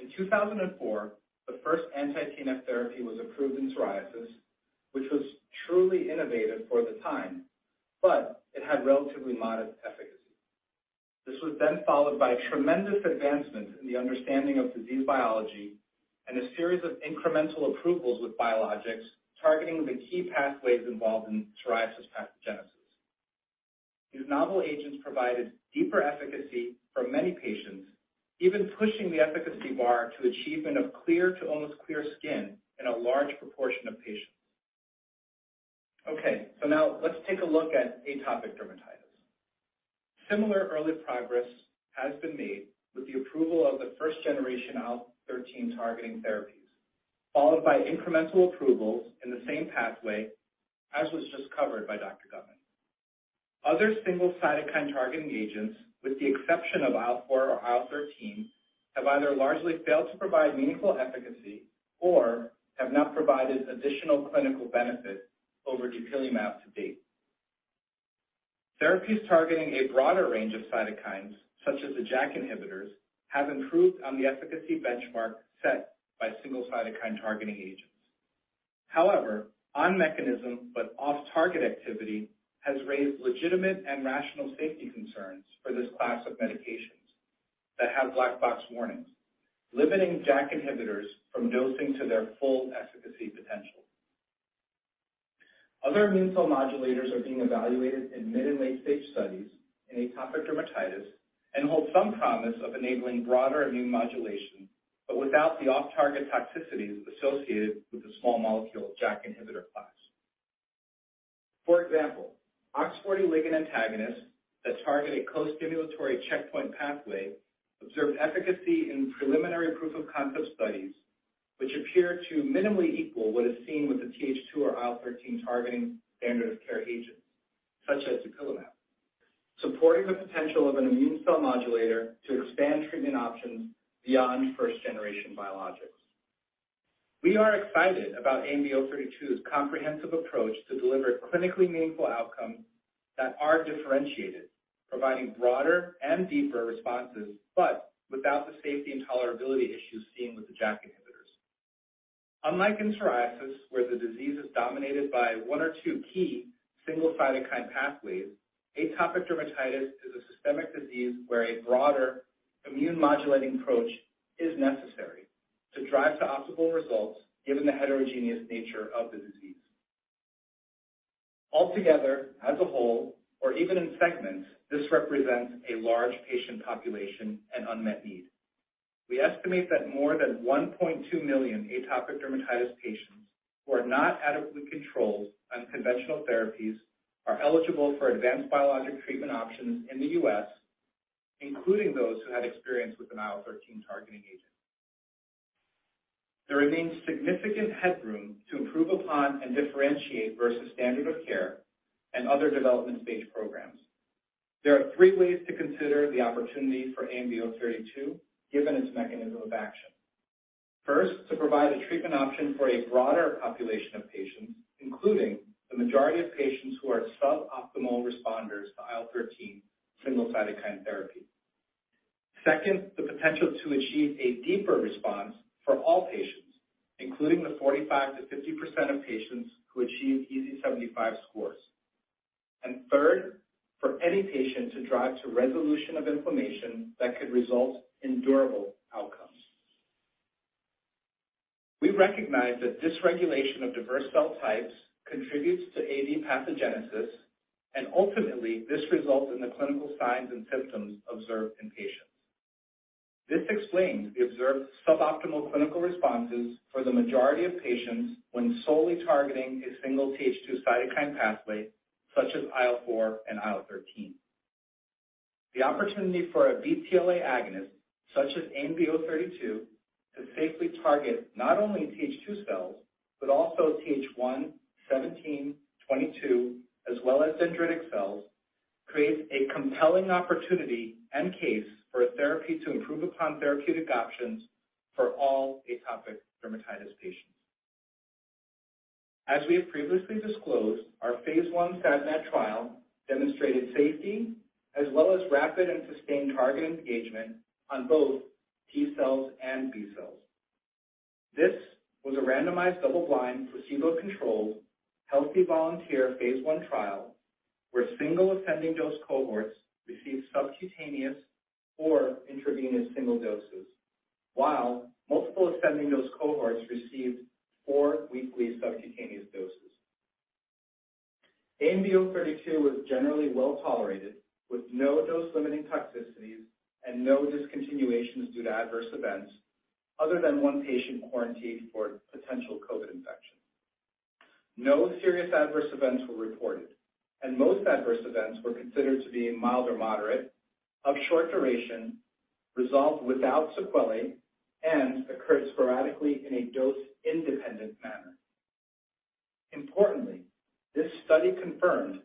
In 2004, the first anti-TNF therapy was approved in psoriasis, which was truly innovative for the time, but it had relatively modest efficacy. This was followed by tremendous advancements in the understanding of disease biology and a series of incremental approvals with biologics targeting the key pathways involved in psoriasis pathogenesis. These novel agents provided deeper efficacy for many patients, even pushing the efficacy bar to achievement of clear to almost clear skin in a large proportion of patients. Now let's take a look at atopic dermatitis. Similar early progress has been made with the approval of the first-generation IL-13 targeting therapies, followed by incremental approvals in the same pathway as was just covered by Dr. Guttman. Other single cytokine-targeting agents, with the exception of IL-4 or IL-13, have either largely failed to provide meaningful efficacy or have not provided additional clinical benefit over dupilumab to date. Therapies targeting a broader range of cytokines, such as the JAK inhibitors, have improved on the efficacy benchmark set by single cytokine-targeting agents. On mechanism but off-target activity has raised legitimate and rational safety concerns for this class of medications that have black box warnings, limiting JAK inhibitors from dosing to their full efficacy potential. Other immune cell modulators are being evaluated in mid- and late-stage studies in atopic dermatitis and hold some promise of enabling broader immune modulation, but without the off-target toxicities associated with the small molecule JAK inhibitor class. For example, OX40 ligand antagonists that target a co-stimulatory checkpoint pathway observed efficacy in preliminary proof-of-concept studies, which appear to minimally equal what is seen with the Th2 or IL-13 targeting standard of care agents, such as dupilumab, supporting the potential of an immune cell modulator to expand treatment options beyond first-generation biologics. We are excited about ANB032's comprehensive approach to deliver clinically meaningful outcomes that are differentiated, providing broader and deeper responses, but without the safety and tolerability issues seen with the JAK inhibitors. Unlike in psoriasis, where the disease is dominated by one or two key single cytokine pathways, atopic dermatitis is a systemic disease where a broader immune-modulating approach is necessary to drive to optimal results, given the heterogeneous nature of the disease. Altogether, as a whole, or even in segments, this represents a large patient population and unmet need. We estimate that more than 1.2 million atopic dermatitis patients who are not adequately controlled on conventional therapies are eligible for advanced biologic treatment options in the U.S., including those who had experience with an IL-13 targeting agent. There remains significant headroom to improve upon and differentiate versus standard of care and other development-stage programs. There are three ways to consider the opportunity for ANB032, given its mechanism of action. First, to provide a treatment option for a broader population of patients, including the majority of patients who are suboptimal responders to IL-13 single cytokine therapy. Second, the potential to achieve a deeper response for all patients, including the 45%-50% of patients who achieve EASI-75 scores. Third, for any patient to drive to resolution of inflammation that could result in durable outcomes. We recognize that dysregulation of diverse cell types contributes to AD pathogenesis, and ultimately, this results in the clinical signs and symptoms observed in patients. This explains the observed suboptimal clinical responses for the majority of patients when solely targeting a single Th2 cytokine pathway, such as IL-4 and IL-13. The opportunity for a BTLA agonist, such as ANB032, to safely target not only Th2 cells, but also Th1, Th17, Th22, as well as dendritic cells, creates a compelling opportunity and case for a therapy to improve upon therapeutic options for all atopic dermatitis patients. As we have previously disclosed, our Phase I SAD/MAD trial demonstrated safety as well as rapid and sustained target engagement on both T cells and B cells. This was a randomized, double-blind, placebo-controlled, healthy volunteer Phase I trial, where single ascending dose cohorts received subcutaneous or intravenous single doses, while multiple ascending dose cohorts received four weekly subcutaneous doses. ANB032 was generally well tolerated, with no dose-limiting toxicities and no discontinuations due to adverse events, other than one patient quarantined for potential COVID infection. No serious adverse events were reported. Most adverse events were considered to be mild or moderate, of short duration, resolved without sequelae, and occurred sporadically in a dose-independent manner. Importantly, this study confirmed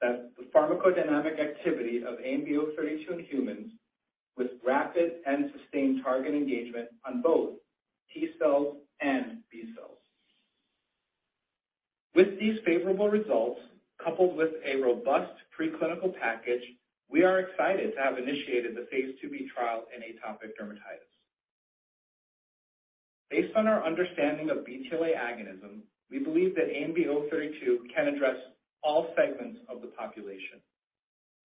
that the pharmacodynamic activity of ANB032 in humans was rapid and sustained target engagement on both T cells and B cells. With these favorable results, coupled with a robust preclinical package, we are excited to have initiated the phase IIb trial in atopic dermatitis. Based on our understanding of BTLA agonism, we believe that ANB032 can address all segments of the population.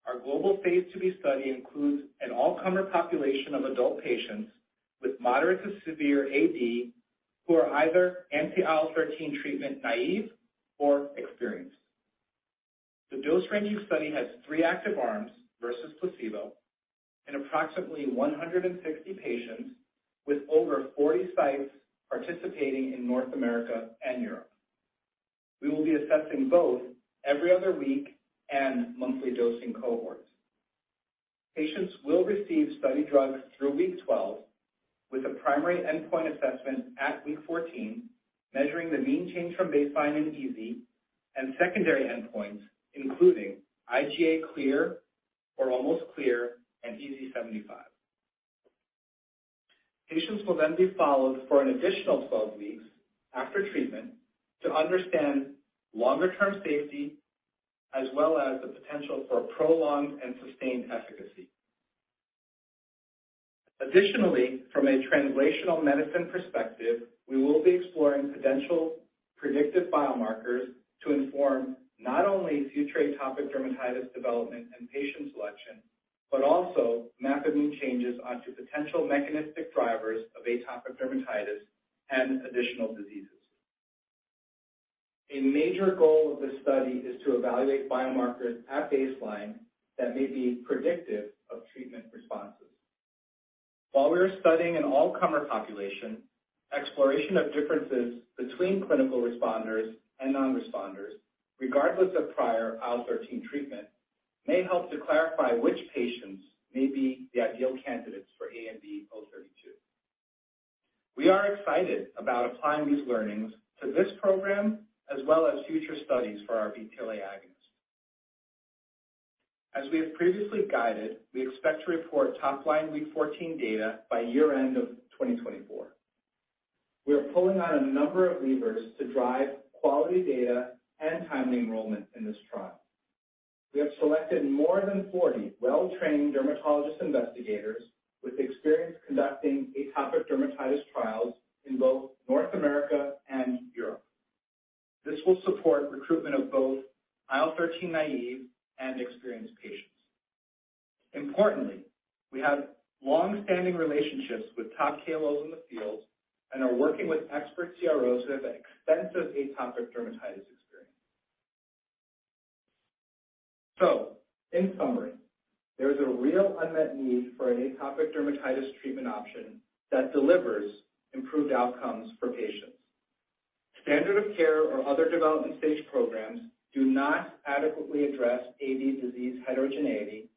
Our global phase IIb study includes an all-comer population of adult patients with moderate to severe AD, who are either anti-IL-13 treatment, naive or experienced. The dose ranging study has three active arms versus placebo in approximately 160 patients with over 40 sites participating in North America and Europe. We will be assessing both every other week and monthly dosing cohorts. Patients will receive study drugs through week 12, with a primary endpoint assessment at week 14, measuring the mean change from baseline in EASI and secondary endpoints, including IGA clear or almost clear and EASI-75. Patients will then be followed for an additional 12 weeks after treatment to understand longer-term safety, as well as the potential for prolonged and sustained efficacy. From a translational medicine perspective, we will be exploring potential predictive biomarkers to inform not only future atopic dermatitis development and patient selection, but also mapping changes onto potential mechanistic drivers of atopic dermatitis and additional diseases. A major goal of this study is to evaluate biomarkers at baseline that may be predictive of treatment responses. While we are studying an all-comer population, exploration of differences between clinical responders and non-responders, regardless of prior IL-13 treatment, may help to clarify which patients may be the ideal candidates for ANB032. We are excited about applying these learnings to this program, as well as future studies for our BTLA agonist. As we have previously guided, we expect to report top line week 14 data by year-end of 2024. We are pulling on a number of levers to drive quality data and timely enrollment in this trial. We have selected more than 40 well-trained dermatologist investigators with experience conducting atopic dermatitis trials in both North America and Europe. This will support recruitment of both IL-13 naive and experienced patients. Importantly, we have long-standing relationships with top KOLs in the field and are working with expert CROs who have extensive atopic dermatitis experience. In summary, there is a real unmet need for an atopic dermatitis treatment option that delivers improved outcomes for patients. Standard of care or other development stage programs do not adequately address AD disease heterogeneity,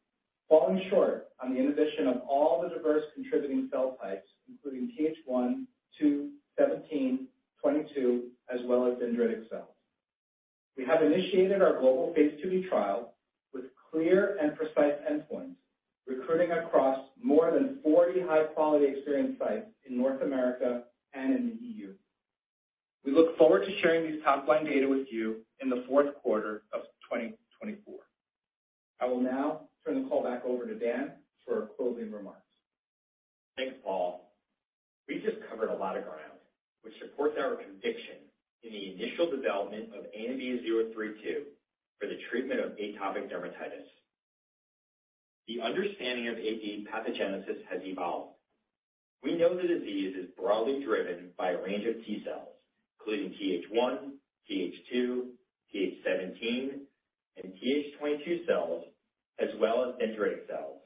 falling short on the inhibition of all the diverse contributing cell types, including Th1, Th2, Th17, Th22, as well as dendritic cells. We have initiated our global phase IIb trial with clear and precise endpoints, recruiting across more than 40 high-quality experienced sites in North America and in the EU. We look forward to sharing these top-line data with you in the fourth quarter of 2024. I will now turn the call back over to Dan for closing remarks. Thanks, Paul. We just covered a lot of ground, which supports our conviction in the initial development of ANB032 for the treatment of atopic dermatitis. The understanding of AD pathogenesis has evolved. We know the disease is broadly driven by a range of T cells, including Th1, Th2, Th17, and Th22 cells, as well as dendritic cells.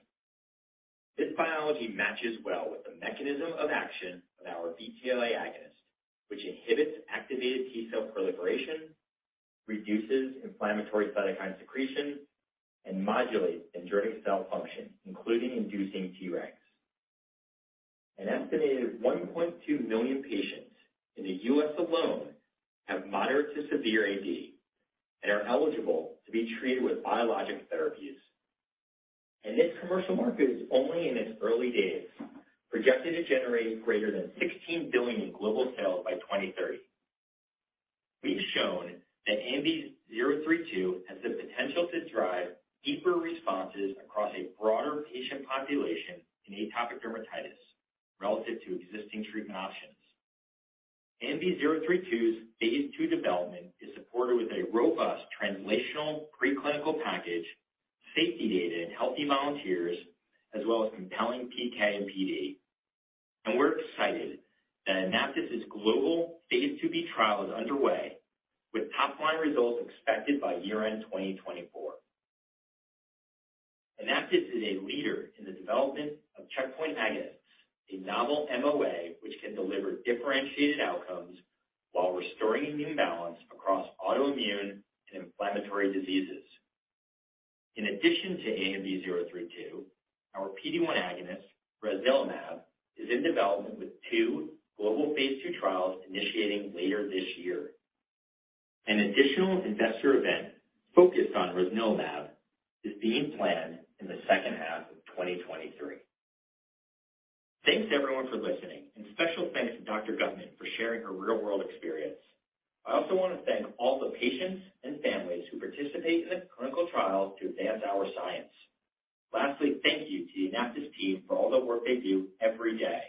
This biology matches well with the mechanism of action of our BTLA agonist, which inhibits activated T cell proliferation, reduces inflammatory cytokine secretion, and modulates dendritic cell function, including inducing Tregs. An estimated 1.2 million patients in the U.S. alone have moderate to severe AD and are eligible to be treated with biologic therapies. This commercial market is only in its early days, projected to generate greater than $16 billion in global sales by 2030. We've shown that ANB032 has the potential to drive deeper responses across a broader patient population in atopic dermatitis relative to existing treatment options. ANB032's phase 2 development is supported with a robust translational preclinical package, safety data in healthy volunteers, as well as compelling PK and PD. We're excited that AnaptysBio's global phase 2B trial is underway, with top-line results expected by year-end 2024. AnaptysBio is a leader in the development of checkpoint agonists, a novel MOA, which can deliver differentiated outcomes while restoring immune balance across autoimmune and inflammatory diseases. In addition to ANB032, our PD-1 agonist, rosnilimab, is in development with two global phase II trials initiating later this year. An additional investor event focused on rosnilimab is being planned in the second half of 2023. Thanks, everyone, for listening, and special thanks to Dr. Guttman for sharing her real-world experience. I also want to thank all the patients and families who participate in the clinical trials to advance our science. Lastly, thank you to the AnaptysBio team for all the work they do every day.